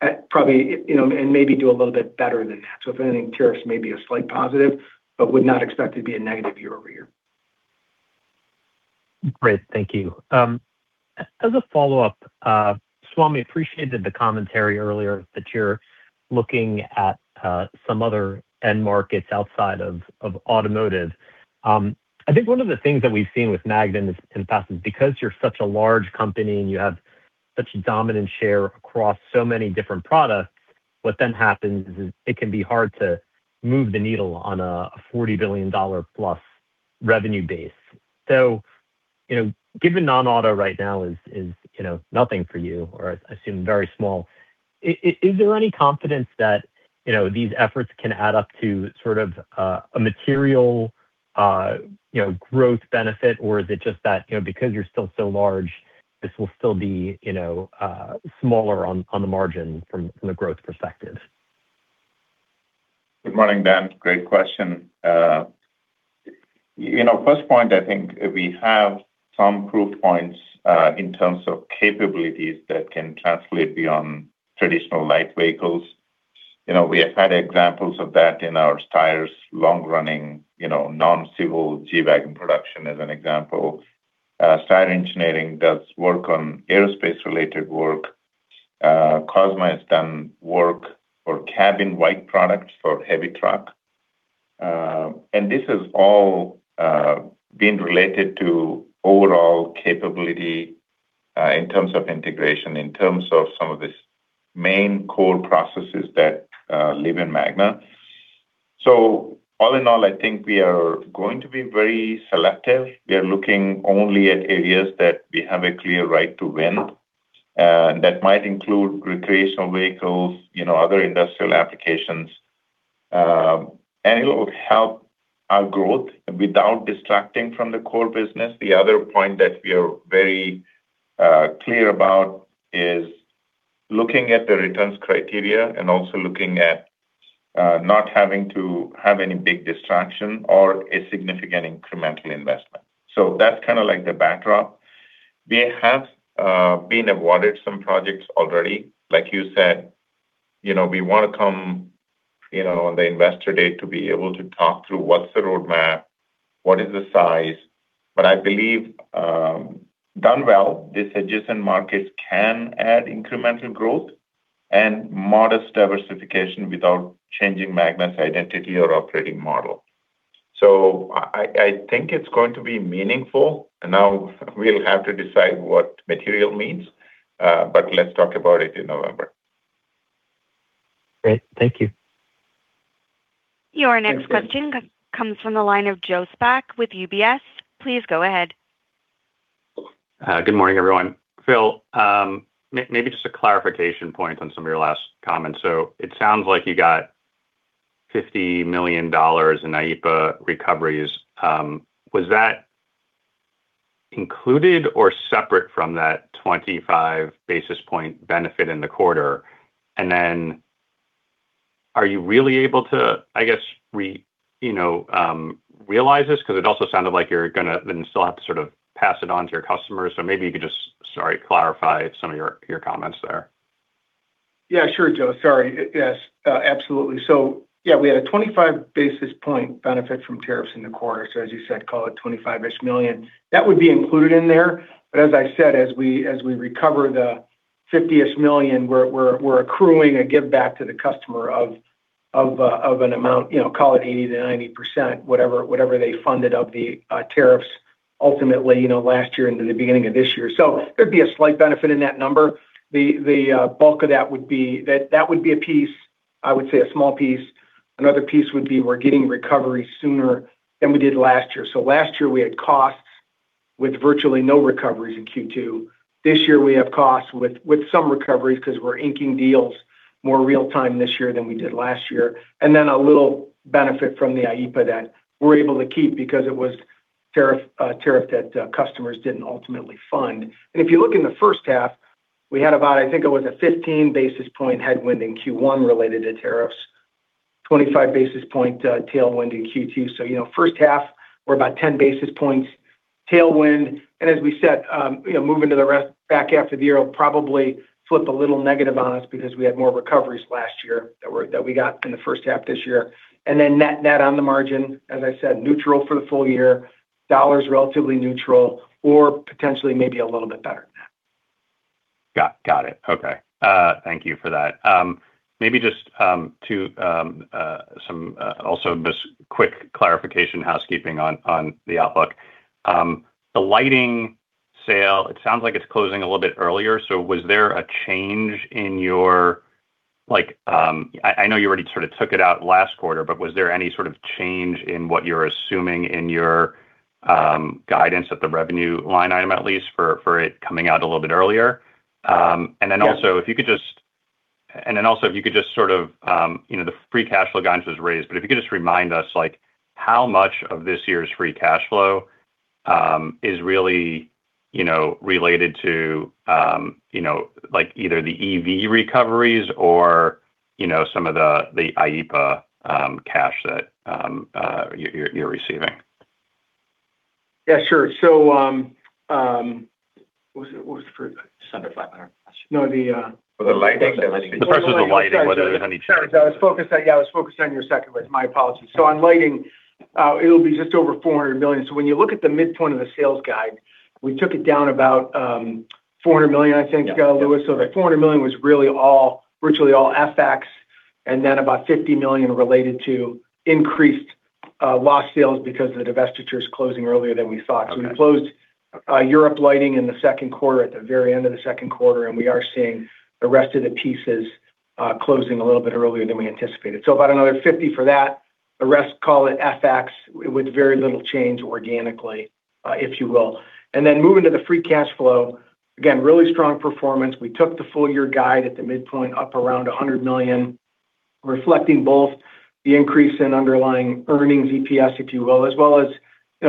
and maybe do a little bit better than that. If anything, tariffs may be a slight positive, but would not expect it to be a negative year-over-year. Great, thank you. As a follow-up, Swamy appreciated the commentary earlier that you're looking at some other end markets outside of automotive. I think one of the things that we've seen with Magna in the past is because you're such a large company and you have such dominant share across so many different products, what then happens is it can be hard to move the needle on a $40 billion+ revenue base. Given non-auto right now is nothing for you or I assume very small, is there any confidence that these efforts can add up to sort of a material growth benefit? Or is it just that because you're still so large, this will still be smaller on the margin from the growth perspective? Good morning, Dan. Great question. First point, I think we have some proof points in terms of capabilities that can translate beyond traditional light vehicles. We have had examples of that in our tires long running, non-civil G-Wagen production as an example. Magna Steyr Aerospace does work on aerospace related work. Cosma has done work for cabin-in-white products for heavy truck. This has all been related to overall capability in terms of integration, in terms of some of the main core processes that live in Magna. All in all, I think we are going to be very selective. We are looking only at areas that we have a clear right to win, and that might include recreational vehicles, other industrial applications. It will help our growth without distracting from the core business. The other point that we are very clear about is looking at the returns criteria and also looking at not having to have any big distraction or a significant incremental investment. That's kind of like the backdrop. We have been awarded some projects already. Like you said, we want to come on the investor date to be able to talk through what's the roadmap, what is the size. I believe done well, these adjacent markets can add incremental growth and modest diversification without changing Magna's identity or operating model. I think it's going to be meaningful. Now we'll have to decide what material means, but let's talk about it in November. Great. Thank you. Your next question comes from the line of Joe Spak with UBS. Please go ahead. Good morning, everyone. Phil, maybe just a clarification point on some of your last comments. It sounds like you got $50 million in IEEPA recoveries. Was that included or separate from that 25 basis point benefit in the quarter? Are you really able to, I guess, realize this? It also sounded like you're going to then still have to sort of pass it on to your customers. Maybe you could just, sorry, clarify some of your comments there. Yeah, sure, Joe. Sorry. Yes, absolutely. Yeah, we had a 25 basis point benefit from tariffs in the quarter. As you said, call it $25-ish million. That would be included in there. As I said, as we recover the $50-ish million, we're accruing a giveback to the customer of an amount, call it 80%-90%, whatever they funded of the tariffs ultimately, last year into the beginning of this year. There'd be a slight benefit in that number. The bulk of that would be a piece, I would say a small piece. Another piece would be we're getting recovery sooner than we did last year. Last year, we had costs with virtually no recoveries in Q2. This year, we have costs with some recoveries because we're inking deals more real time this year than we did last year. A little benefit from the IEEPA that we're able to keep because it was tariff that customers didn't ultimately fund. If you look in the first half, we had about, I think it was a 15 basis points headwind in Q1 related to tariffs, 25 basis points tailwind in Q2. First half, we're about 10 basis points tailwind. As we said, moving to the rest back half of the year, it'll probably flip a little negative on us because we had more recoveries last year that we got in the first half this year. Net on the margin, as I said, neutral for the full year. Dollar is relatively neutral or potentially maybe a little bit better. Got it. Okay. Thank you for that. Maybe just also this quick clarification housekeeping on the outlook. The lighting sale, it sounds like it's closing a little bit earlier. I know you already sort of took it out last quarter, but was there any sort of change in what you're assuming in your guidance at the revenue line item, at least, for it coming out a little bit earlier? Yeah. Also if you could just, the free cash flow guidance was raised, but if you could just remind us, how much of this year's free cash flow is really related to either the EV recoveries or some of the IEEPA cash that you're receiving? Yeah, sure. What was the first? Just under 500. No. For the lighting. The question was lighting, whether there's any. Sorry, I was focused on your second one. It's my apologies. On lighting, it'll be just over $400 million. When you look at the midpoint of the sales guide, we took it down about $400 million, I think, Galo Lewis. Yeah. That $400 million was really virtually all FX, and then about $50 million related to increased lost sales because of the divestitures closing earlier than we thought. Okay. We closed Europe Lighting in the second quarter, at the very end of the second quarter, and we are seeing the rest of the pieces closing a little bit earlier than we anticipated. About another $50 for that. The rest, call it FX, with very little change organically, if you will. Moving to the free cash flow, again, really strong performance. We took the full year guide at the midpoint up around $100 million, reflecting both the increase in underlying earnings, EPS, if you will, as well as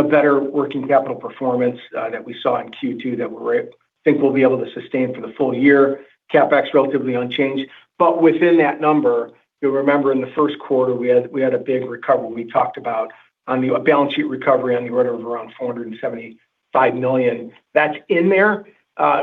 better working capital performance that we saw in Q2 that we think we'll be able to sustain for the full year. CapEx relatively unchanged. Within that number, you'll remember in the first quarter, we had a big recovery. We talked about a balance sheet recovery on the order of around $475 million. That's in there.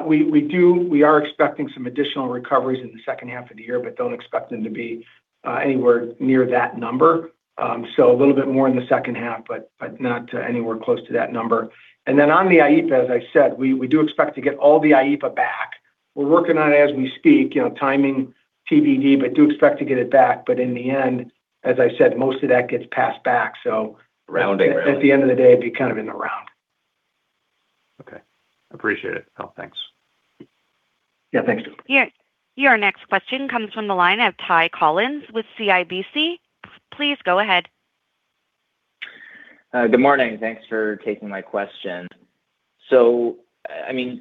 We are expecting some additional recoveries in the second half of the year, but don't expect them to be anywhere near that number. A little bit more in the second half, but not anywhere close to that number. On the IEEPA, as I said, we do expect to get all the IEEPA back. We're working on it as we speak, timing TBD, but do expect to get it back. In the end, as I said, most of that gets passed back. Rounding. At the end of the day, it'd be kind of in the round. Okay. Appreciate it, Phil. Thanks. Yeah, thanks. Yeah. Your next question comes from the line of Ty Collin with CIBC. Please go ahead. Good morning. Thanks for taking my question.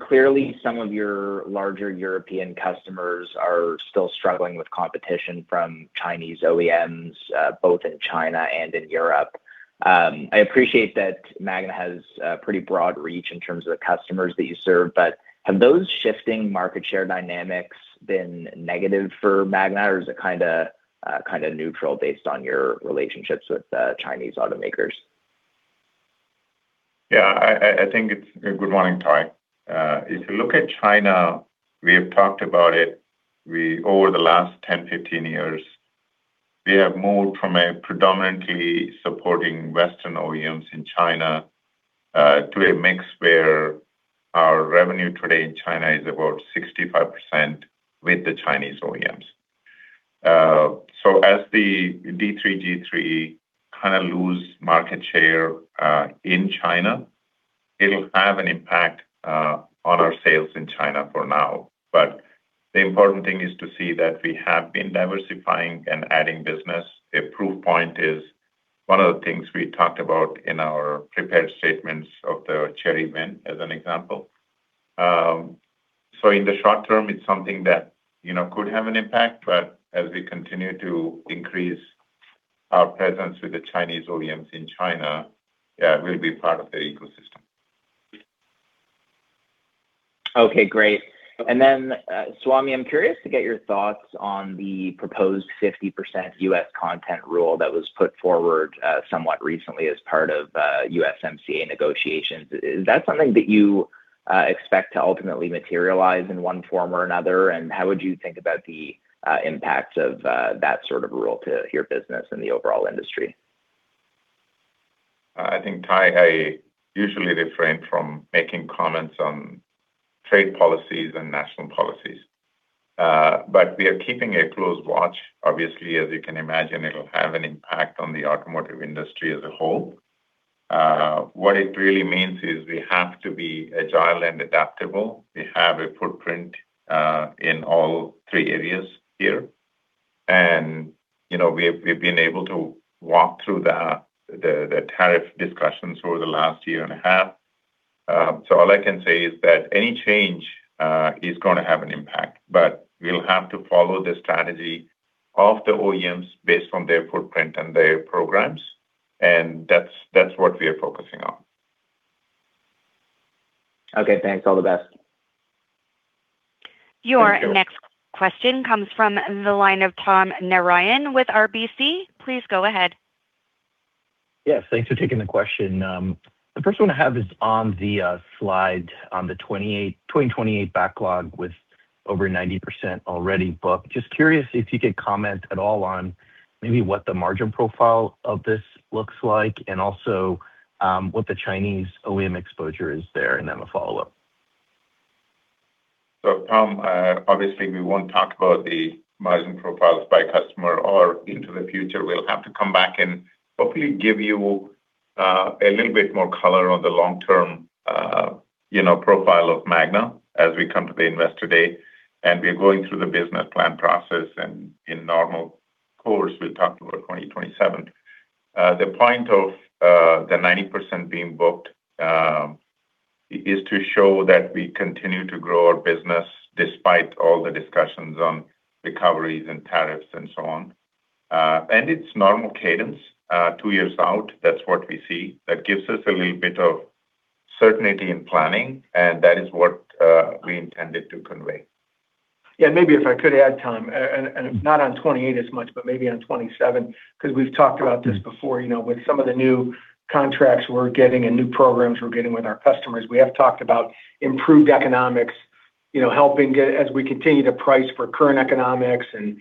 Clearly some of your larger European customers are still struggling with competition from Chinese OEMs, both in China and in Europe. I appreciate that Magna has a pretty broad reach in terms of the customers that you serve, but have those shifting market share dynamics been negative for Magna, or is it kind of neutral based on your relationships with Chinese automakers? Good morning, Ty. If you look at China, we have talked about it. Over the last 10, 15 years, we have moved from predominantly supporting Western OEMs in China, to a mix where our revenue today in China is about 65% with the Chinese OEMs. As the D3, G3 kind of lose market share in China, it'll have an impact on our sales in China for now. The important thing is to see that we have been diversifying and adding business. A proof point is one of the things we talked about in our prepared statements of the Chery win, as an example. In the short term, it's something that could have an impact, but as we continue to increase our presence with the Chinese OEMs in China, we'll be part of their ecosystem. Okay, great. Swamy, I'm curious to get your thoughts on the proposed 50% U.S. content rule that was put forward somewhat recently as part of USMCA negotiations. Is that something that you expect to ultimately materialize in one form or another? How would you think about the impact of that sort of rule to your business and the overall industry? I think, Ty, I usually refrain from making comments on trade policies and national policies. We are keeping a close watch. Obviously, as you can imagine, it'll have an impact on the automotive industry as a whole. What it really means is we have to be agile and adaptable. We have a footprint in all three areas here. We've been able to walk through the tariff discussions over the last year and a half. All I can say is that any change is going to have an impact. We'll have to follow the strategy of the OEMs based on their footprint and their programs, and that's what we are focusing on. Okay, thanks. All the best. Your next question comes from the line of Tom Narayan with RBC. Please go ahead. Yes, thanks for taking the question. The first one I have is on the slide on the 2028 backlog with over 90% already booked. Just curious if you could comment at all on maybe what the margin profile of this looks like and also what the Chinese OEM exposure is there, and then a follow-up. Tom, obviously we won't talk about the margin profiles by customer or into the future. We'll have to come back and hopefully give you a little bit more color on the long-term profile of Magna as we come to the Investor Day, and we are going through the business plan process, and in normal course, we'll talk about 2027. The point of the 90% being booked is to show that we continue to grow our business despite all the discussions on recoveries and tariffs and so on. It's normal cadence. Two years out, that's what we see. That gives us a little bit of certainty in planning, and that is what we intended to convey. Yeah. Maybe if I could add, Tom, not on 2028 as much, but maybe on 2027, because we've talked about this before. With some of the new contracts we're getting and new programs we're getting with our customers, we have talked about improved economics, helping as we continue to price for current economics and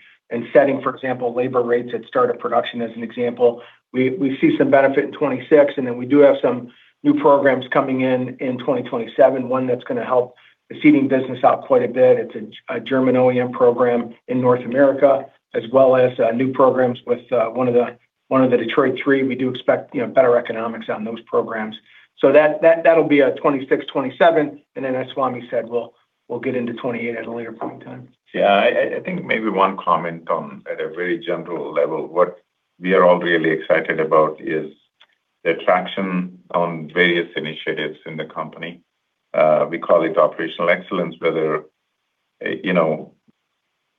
setting, for example, labor rates at start of production as an example. We see some benefit in 2026, then we do have some new programs coming in in 2027, one that's going to help the Seating Systems business out quite a bit. It's a German OEM program in North America as well as new programs with one of the Detroit Three. We do expect better economics on those programs. That'll be a 2026, 2027, and then as Swamy said, we'll get into 2028 at a later point in time. Yeah. I think maybe one comment, Tom, at a very general level, what we are all really excited about is the traction on various initiatives in the company. We call it operational excellence, whether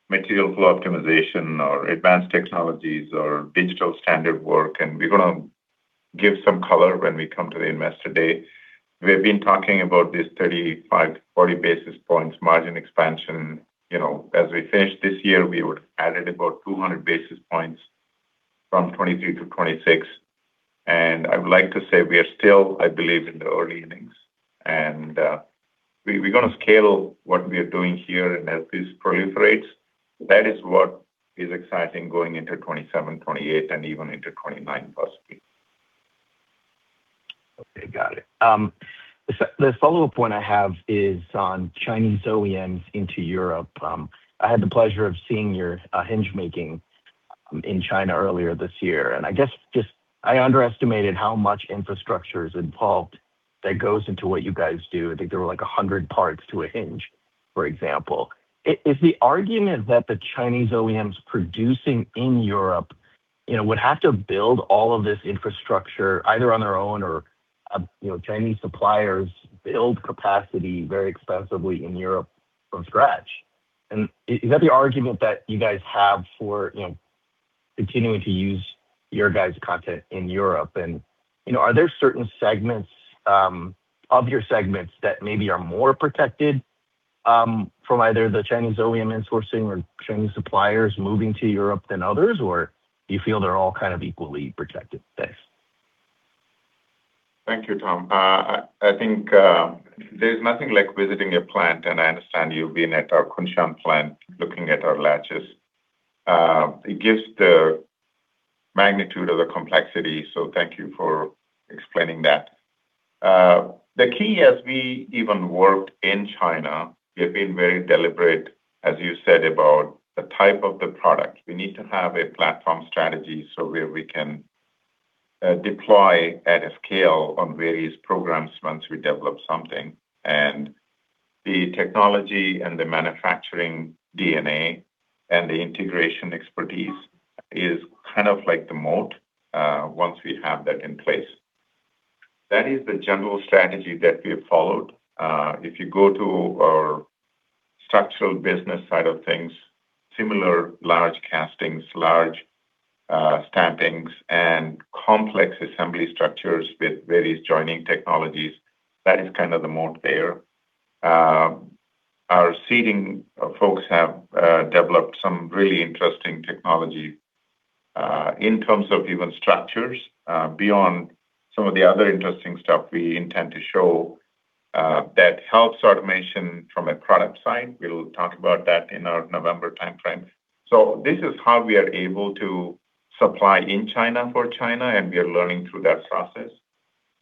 material flow optimization or advanced technologies or digital standard work, and we're going to give some color when we come to the Investor Day. We've been talking about this 35, 40 basis points margin expansion. As we finished this year, we would added about 200 basis points from 2023 to 2026. I would like to say we are still, I believe, in the early innings. We're going to scale what we are doing here and as this proliferates. That is what is exciting going into 2027, 2028, and even into 2029 possibly. Okay, got it. The follow-up one I have is on Chinese OEMs into Europe. I had the pleasure of seeing your hinge making in China earlier this year, and I guess just, I underestimated how much infrastructure is involved that goes into what you guys do. I think there were 100 parts to a hinge, for example. Is the argument that the Chinese OEMs producing in Europe would have to build all of this infrastructure either on their own or Chinese suppliers build capacity very expensively in Europe from scratch? Is that the argument that you guys have for continuing to use your guys' content in Europe and are there certain segments of your segments that maybe are more protected from either the Chinese OEM insourcing or Chinese suppliers moving to Europe than others, or do you feel they're all kind of equally protected? Thanks. Thank you, Tom. I think there's nothing like visiting a plant, and I understand you've been at our Kunshan plant looking at our latches. It gives the magnitude of the complexity. Thank you for explaining that. The key as we even worked in China, we've been very deliberate, as you said, about the type of the product. We need to have a platform strategy where we can deploy at scale on various programs once we develop something. The technology and the manufacturing DNA and the integration expertise is kind of like the moat once we have that in place. That is the general strategy that we have followed. If you go to our structural business side of things, similar large castings, large stampings, and complex assembly structures with various joining technologies, that is kind of the moat there. Our seating folks have developed some really interesting technology, in terms of even structures, beyond some of the other interesting stuff we intend to show that helps automation from a product side. We'll talk about that in our November timeframe. This is how we are able to supply in China for China, and we are learning through that process.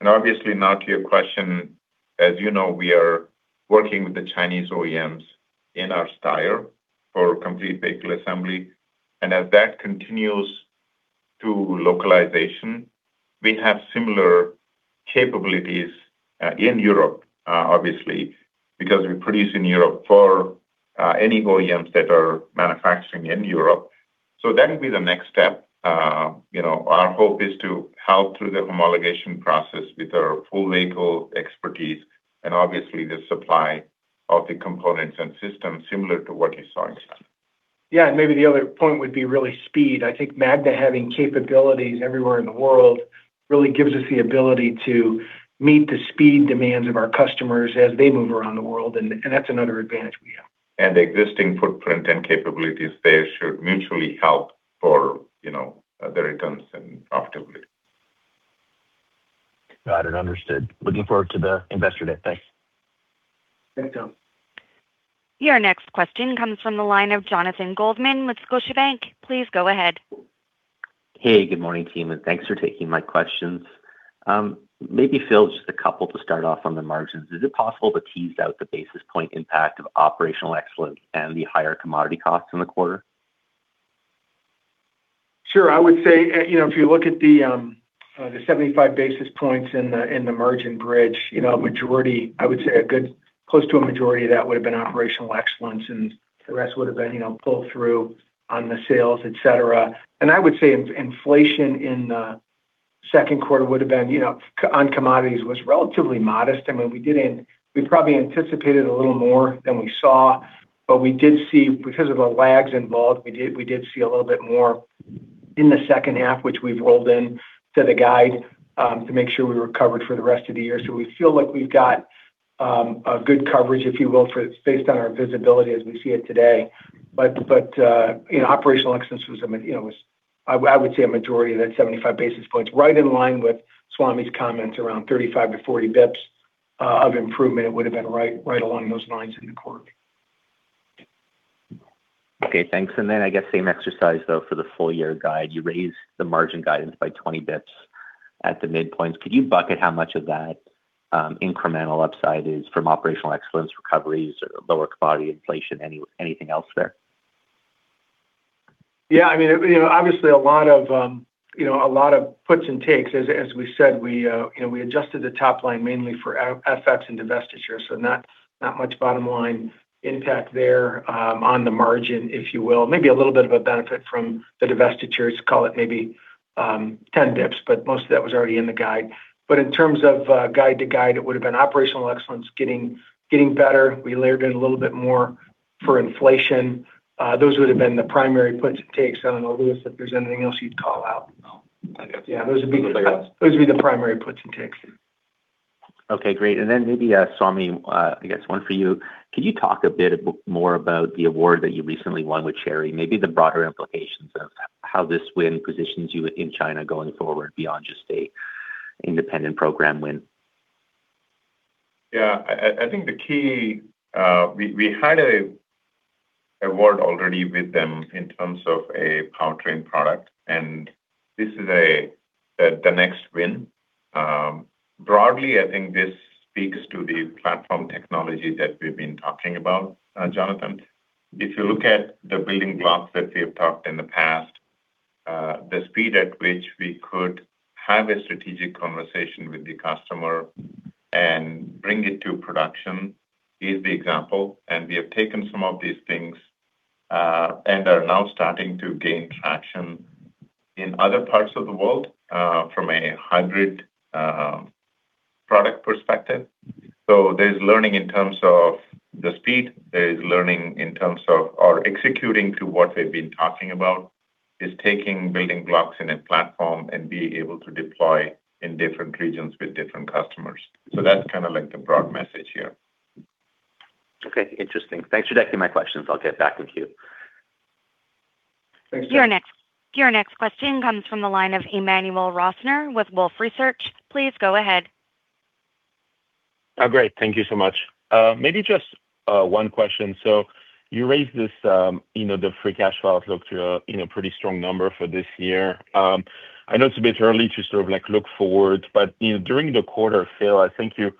Obviously now to your question, as you know, we are working with the Chinese OEMs in our Steyr for complete vehicle assembly. As that continues through localization, we have similar capabilities, in Europe, obviously because we produce in Europe for any OEMs that are manufacturing in Europe. That'll be the next step. Our hope is to help through the homologation process with our full vehicle expertise and obviously the supply of the components and systems similar to what you saw in China. Yeah. Maybe the other point would be really speed. I think Magna having capabilities everywhere in the world really gives us the ability to meet the speed demands of our customers as they move around the world, and that's another advantage we have. Existing footprint and capabilities there should mutually help for the returns and profitability. Got it. Understood. Looking forward to the investor day. Thanks. Thanks, Tom. Your next question comes from the line of Jonathan Goldman with Scotiabank. Please go ahead. Hey, good morning, team. Thanks for taking my questions. Maybe, Phil, just a couple to start off on the margins. Is it possible to tease out the basis point impact of operational excellence and the higher commodity costs in the quarter? Sure. I would say, if you look at the 75 basis points in the margin bridge, majority, I would say a good close to a majority of that would've been operational excellence and the rest would've been pull through on the sales, et cetera. I would say inflation in the second quarter would've been, on commodities, was relatively modest. I mean, we probably anticipated a little more than we saw, but we did see, because of the lags involved, we did see a little bit more in the second half, which we've rolled into the guide, to make sure we were covered for the rest of the year. We feel like we've got a good coverage, if you will, based on our visibility as we see it today. Operational excellence was, I would say a majority of that 75 basis points. Right in line with Swamy's comments, around 35 to 40 basis points of improvement would've been right along those lines in the quarter. Okay, thanks. I guess same exercise though for the full year guide. You raised the margin guidance by 20 basis points at the midpoint. Could you bucket how much of that incremental upside is from operational excellence recoveries or lower commodity inflation, anything else there? Yeah. I mean, obviously a lot of puts and takes. As we said, we adjusted the top line mainly for FX and divestitures, so not much bottom-line impact there, on the margin, if you will. Maybe a little bit of a benefit from the divestitures, call it maybe 10 basis points, but most of that was already in the guide. In terms of guide to guide, it would've been operational excellence getting better. We layered in a little bit more for inflation. Those would've been the primary puts and takes. I don't know, Louis, if there's anything else you'd call out. No. I think that's it. Yeah. Those would be. Nothing else. Those would be the primary puts and takes. Okay, great. Maybe, Swamy, I guess one for you. Can you talk a bit more about the award that you recently won with Chery? Maybe the broader implications of how this win positions you in China going forward beyond just an independent program win. Yeah. We had an award already with them in terms of a powertrain product, and this is the next win. Broadly, this speaks to the platform technology that we've been talking about, Jonathan. If you look at the building blocks that we have talked in the past, the speed at which we could have a strategic conversation with the customer and bring it to production is the example. We have taken some of these things, and are now starting to gain traction in other parts of the world, from a 100 product perspective. There's learning in terms of the speed, there's learning in terms of our executing to what we've been talking about, is taking building blocks in a platform and being able to deploy in different regions with different customers. That's kind of like the broad message here. Okay, interesting. Thanks for taking my questions. I'll get back with you. Thanks, Jonathan. Your next question comes from the line of Emmanuel Rosner with Wolfe Research. Please go ahead. Great. Thank you so much. Maybe just one question. You raised the free cash flow outlook to a pretty strong number for this year. I know it's a bit early to sort of look forward, but during the quarter, Phil, I think you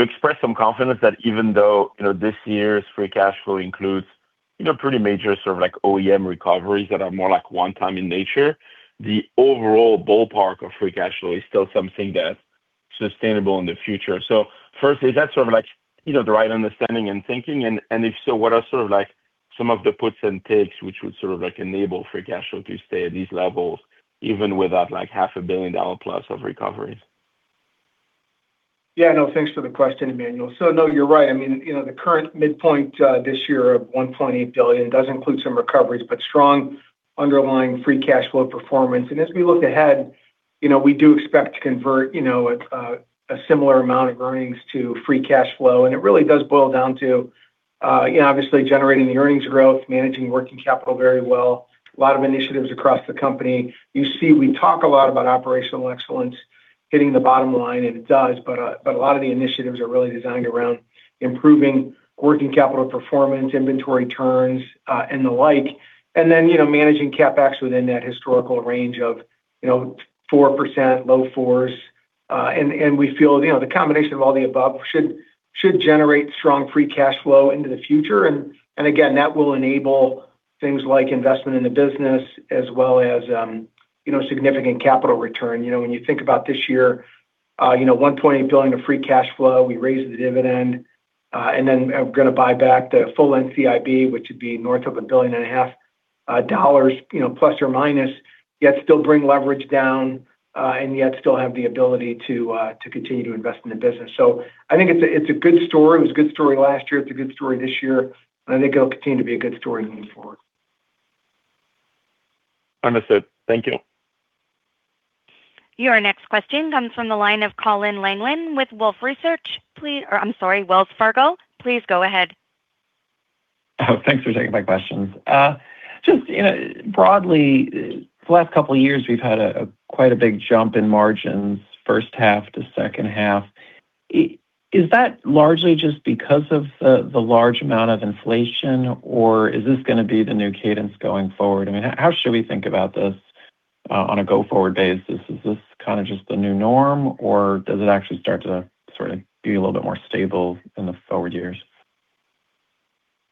expressed some confidence that even though this year's free cash flow includes pretty major sort of OEM recoveries that are more one-time in nature, the overall ballpark of free cash flow is still something that's sustainable in the future. First, is that sort of the right understanding and thinking? If so, what are sort of some of the puts and takes which would sort of enable free cash flow to stay at these levels even without like half a billion dollar plus of recoveries? Thanks for the question, Emmanuel. You're right. I mean, the current midpoint this year of $1.8 billion does include some recoveries, but strong underlying free cash flow performance. As we look ahead, we do expect to convert a similar amount of earnings to free cash flow. It really does boil down to obviously generating the earnings growth, managing working capital very well, a lot of initiatives across the company. You see, we talk a lot about operational excellence hitting the bottom line, and it does, but a lot of the initiatives are really designed around improving working capital performance, inventory turns, and the like. Then, managing CapEx within that historical range of 4%, low fours. We feel the combination of all the above should generate strong free cash flow into the future. Again, that will enable Things like investment in the business as well as significant capital return. When you think about this year, $1.8 billion of free cash flow, we raised the dividend, are going to buy back the full NCIB, which would be north of a billion and a half dollars, plus or minus, yet still bring leverage down and yet still have the ability to continue to invest in the business. I think it's a good story. It was a good story last year, it's a good story this year, I think it'll continue to be a good story moving forward. Understood. Thank you. Your next question comes from the line of Colin Langan with Wolfe Research. Please Or I'm sorry, Wells Fargo. Please go ahead. Thanks for taking my questions. Just broadly, the last couple of years, we've had quite a big jump in margins first half to second half. Is that largely just because of the large amount of inflation, or is this going to be the new cadence going forward? I mean, how should we think about this on a go-forward basis? Is this kind of just the new norm, or does it actually start to sort of be a little bit more stable in the forward years?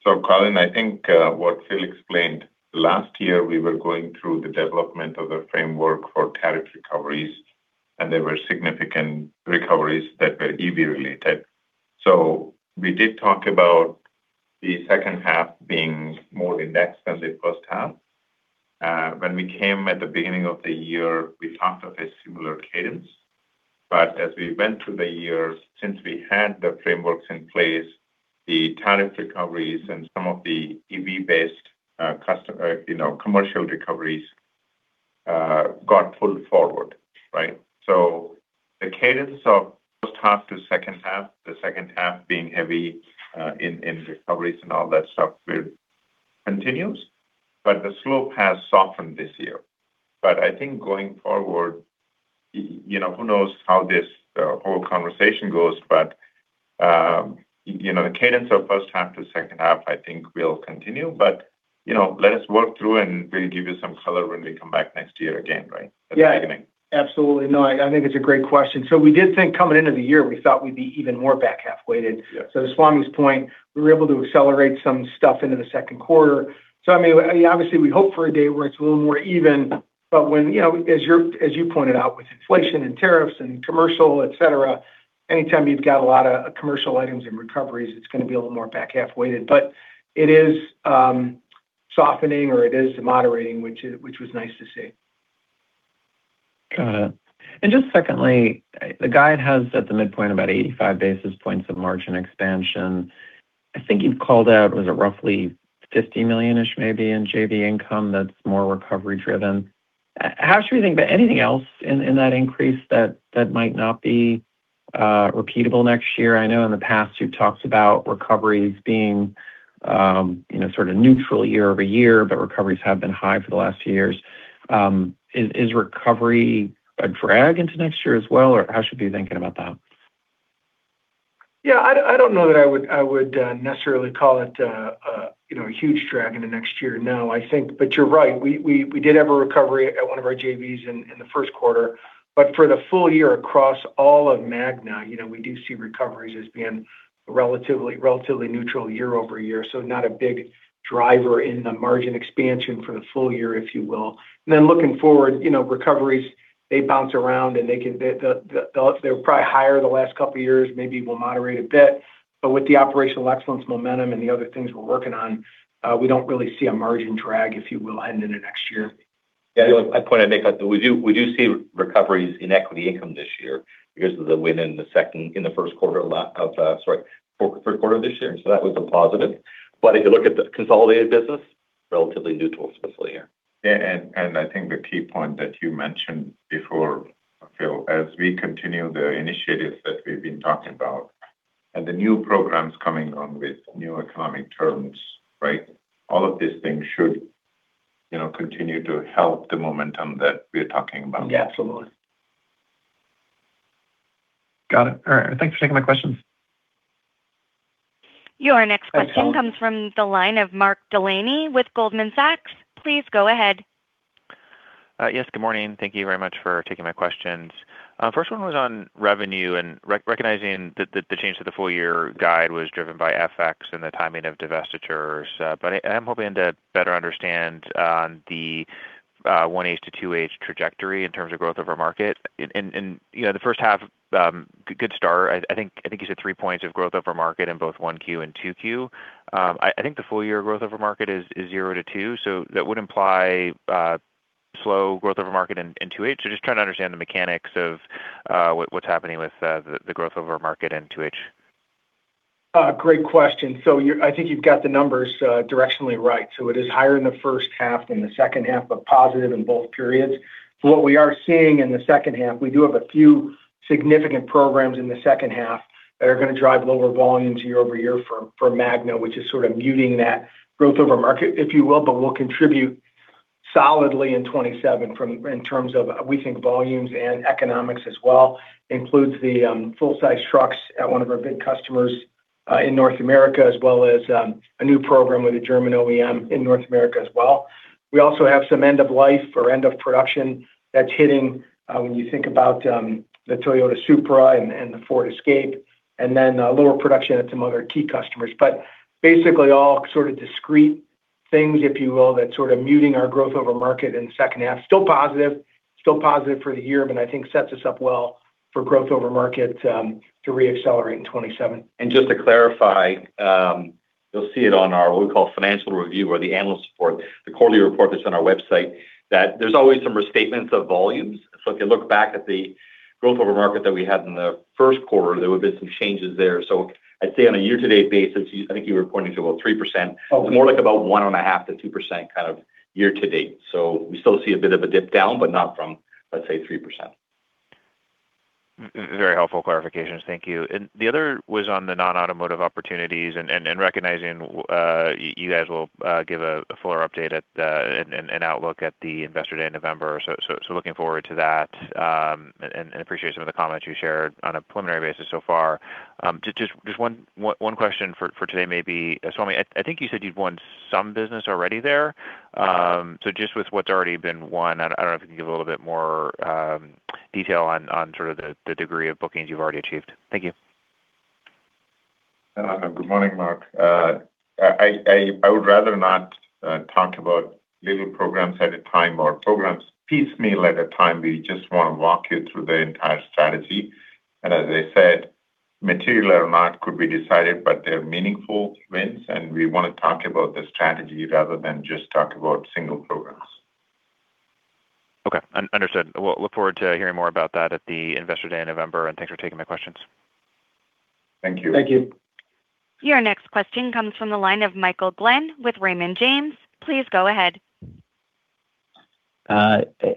Colin, I think what Phil explained, last year, we were going through the development of the framework for tariff recoveries, and there were significant recoveries that were EV related. We did talk about the second half being more indexed than the first half. When we came at the beginning of the year, we talked of a similar cadence. As we went through the year, since we had the frameworks in place, the tariff recoveries and some of the EV based customer commercial recoveries got pulled forward. Right? The cadence of first half to second half, the second half being heavy in recoveries and all that stuff will continues, but the slope has softened this year. I think going forward, who knows how this whole conversation goes, but the cadence of first half to second half, I think will continue. Let us work through, and we will give you some color when we come back next year again, right? At the beginning. Yeah. Absolutely. I think it is a great question. We did think coming into the year, we thought we would be even more back half weighted. Yeah. To Swamy's point, we were able to accelerate some stuff into the second quarter. I mean, obviously, we hope for a day where it is a little more even, but when, as you pointed out with inflation and tariffs and commercial, et cetera, anytime you have got a lot of commercial items and recoveries, it is going to be a little more back half weighted. It is softening, or it is moderating, which was nice to see. Got it. Just secondly, the guide has at the midpoint about 85 basis points of margin expansion. I think you have called out, was it roughly $50 million-ish maybe in JV income that is more recovery driven. How should we think about anything else in that increase that might not be repeatable next year? I know in the past you have talked about recoveries being sort of neutral year-over-year, recoveries have been high for the last few years. Is recovery a drag into next year as well, or how should we be thinking about that? Yeah, I don't know that I would necessarily call it a huge drag into next year, no. I think you're right. We did have a recovery at one of our JVs in the first quarter. For the full year across all of Magna, we do see recoveries as being relatively neutral year-over-year. Not a big driver in the margin expansion for the full year, if you will. Looking forward, recoveries, they bounce around and they were probably higher the last couple of years, maybe will moderate a bit. With the operational excellence momentum and the other things we're working on, we don't really see a margin drag, if you will, heading into next year. Yeah. The only point I'd make, we do see recoveries in equity income this year because of the win in the first quarter. Sorry, third quarter this year. That was a positive. If you look at the consolidated business, relatively neutral especially here. Yeah. I think the key point that you mentioned before, Phil, as we continue the initiatives that we've been talking about and the new programs coming on with new economic terms, right? All of these things should continue to help the momentum that we're talking about. Yeah. Absolutely. Got it. All right. Thanks for taking my questions. Your next question- Thanks, Colin. comes from the line of Mark Delaney with Goldman Sachs. Please go ahead. Good morning. Thank you very much for taking my questions. First one was on revenue, recognizing that the change to the full year guide was driven by FX and the timing of divestitures. I am hoping to better understand on the 1H to 2H trajectory in terms of growth of our market. The first half, good start. I think you said three points of growth of our market in both 1Q and 2Q. I think the full year growth of our market is 0-2, so that would imply slow growth of our market in 2H. Just trying to understand the mechanics of what's happening with the growth of our market in 2H. Great question. I think you've got the numbers directionally right. It is higher in the first half than the second half, but positive in both periods. What we are seeing in the second half, we do have a few significant programs in the second half that are going to drive lower volumes year-over-year for Magna, which is sort of muting that growth over market, if you will, but will contribute solidly in 2027 in terms of we think volumes and economics as well. Includes the full size trucks at one of our big customers in North America, as well as a new program with a German OEM in North America as well. We also have some end of life or end of production that's hitting when you think about the Toyota Supra and the Ford Escape, and then lower production at some other key customers. Basically all sort of discrete things, if you will, that's sort of muting our growth over market in the second half. Still positive for the year, but I think sets us up well for growth over market to re-accelerate in 2027. Just to clarify, you'll see it on our, what we call financial review or the analyst report, the quarterly report that's on our website, that there's always some restatements of volumes. If you look back at the growth over market that we had in the first quarter, there would have been some changes there. I'd say on a year-to-date basis, I think you were pointing to about 3%. Oh. It's more like about 1.5%-2% kind of year-to-date. We still see a bit of a dip down, but not from, let's say, 3%. Very helpful clarifications. Thank you. The other was on the non-automotive opportunities and recognizing you guys will give a fuller update at an outlook at the Investor Day in November. Looking forward to that. Appreciate some of the comments you shared on a preliminary basis so far. Just one question for today may be, Swamy, I think you said you've won some business already there. Just with what's already been won, I don't know if you can give a little bit more detail on sort of the degree of bookings you've already achieved. Thank you. Good morning, Mark. I would rather not talk about little programs at a time or programs piecemeal at a time. We just want to walk you through the entire strategy. As I said, material or not could be decided, they're meaningful wins and we want to talk about the strategy rather than just talk about single programs. Okay, understood. We'll look forward to hearing more about that at the Investor Day in November, thanks for taking my questions. Thank you. Thank you. Your next question comes from the line of Michael Glen with Raymond James. Please go ahead.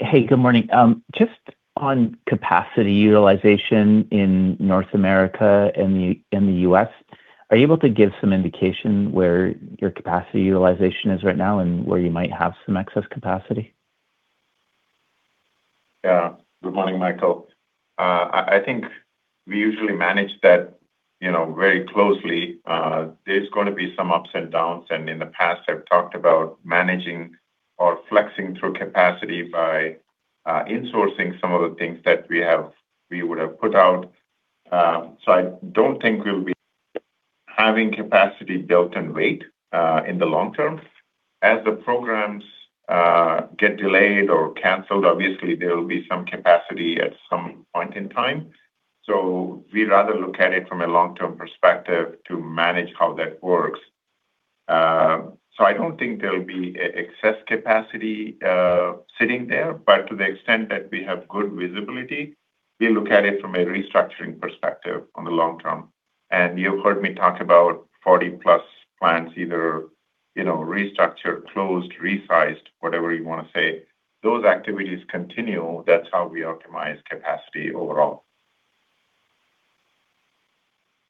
Hey, good morning. Just on capacity utilization in North America, in the U.S., are you able to give some indication where your capacity utilization is right now and where you might have some excess capacity? Good morning, Michael. I think we usually manage that very closely. There's going to be some ups and downs, and in the past, I've talked about managing or flexing through capacity by insourcing some of the things that we would have put out. I don't think we'll be having capacity built and wait in the long term. As the programs get delayed or canceled, obviously there will be some capacity at some point in time. We'd rather look at it from a long-term perspective to manage how that works. I don't think there'll be excess capacity sitting there. But to the extent that we have good visibility, we look at it from a restructuring perspective on the long term. You've heard me talk about 40 plus plants, either restructure, closed, resized, whatever you want to say. Those activities continue. That's how we optimize capacity overall.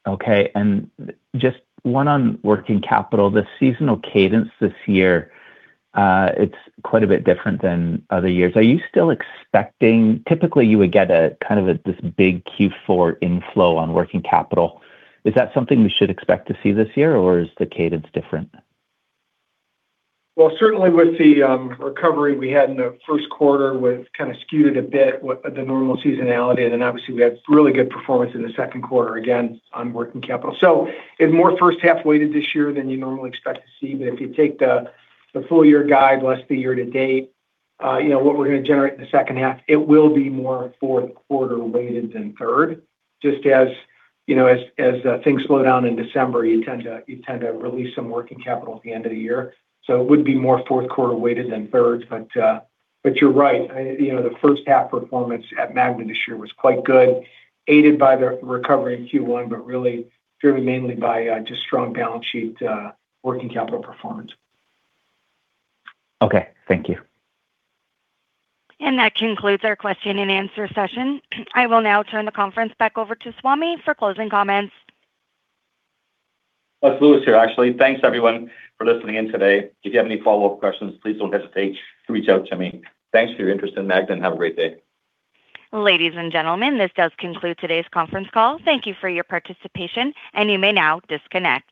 Okay, just one on working capital. The seasonal cadence this year, it's quite a bit different than other years. Are you still expecting Typically, you would get kind of this big Q4 inflow on working capital. Is that something we should expect to see this year, or is the cadence different? Well, certainly with the recovery we had in the first quarter was kind of skewed a bit with the normal seasonality, obviously we had really good performance in the second quarter, again, on working capital. It's more first half-weighted this year than you normally expect to see. If you take the full year guide less the year to date, what we're going to generate in the second half, it will be more fourth quarter weighted than third. Just as things slow down in December, you tend to release some working capital at the end of the year. It would be more fourth quarter weighted than third. You're right, the first half performance at Magna this year was quite good, aided by the recovery in Q1, but really driven mainly by just strong balance sheet working capital performance. Okay. Thank you. That concludes our question and answer session. I will now turn the conference back over to Swamy for closing comments. It's Louis here, actually. Thanks everyone for listening in today. If you have any follow-up questions, please don't hesitate to reach out to me. Thanks for your interest in Magna, have a great day. Ladies and gentlemen, this does conclude today's conference call. Thank you for your participation, you may now disconnect.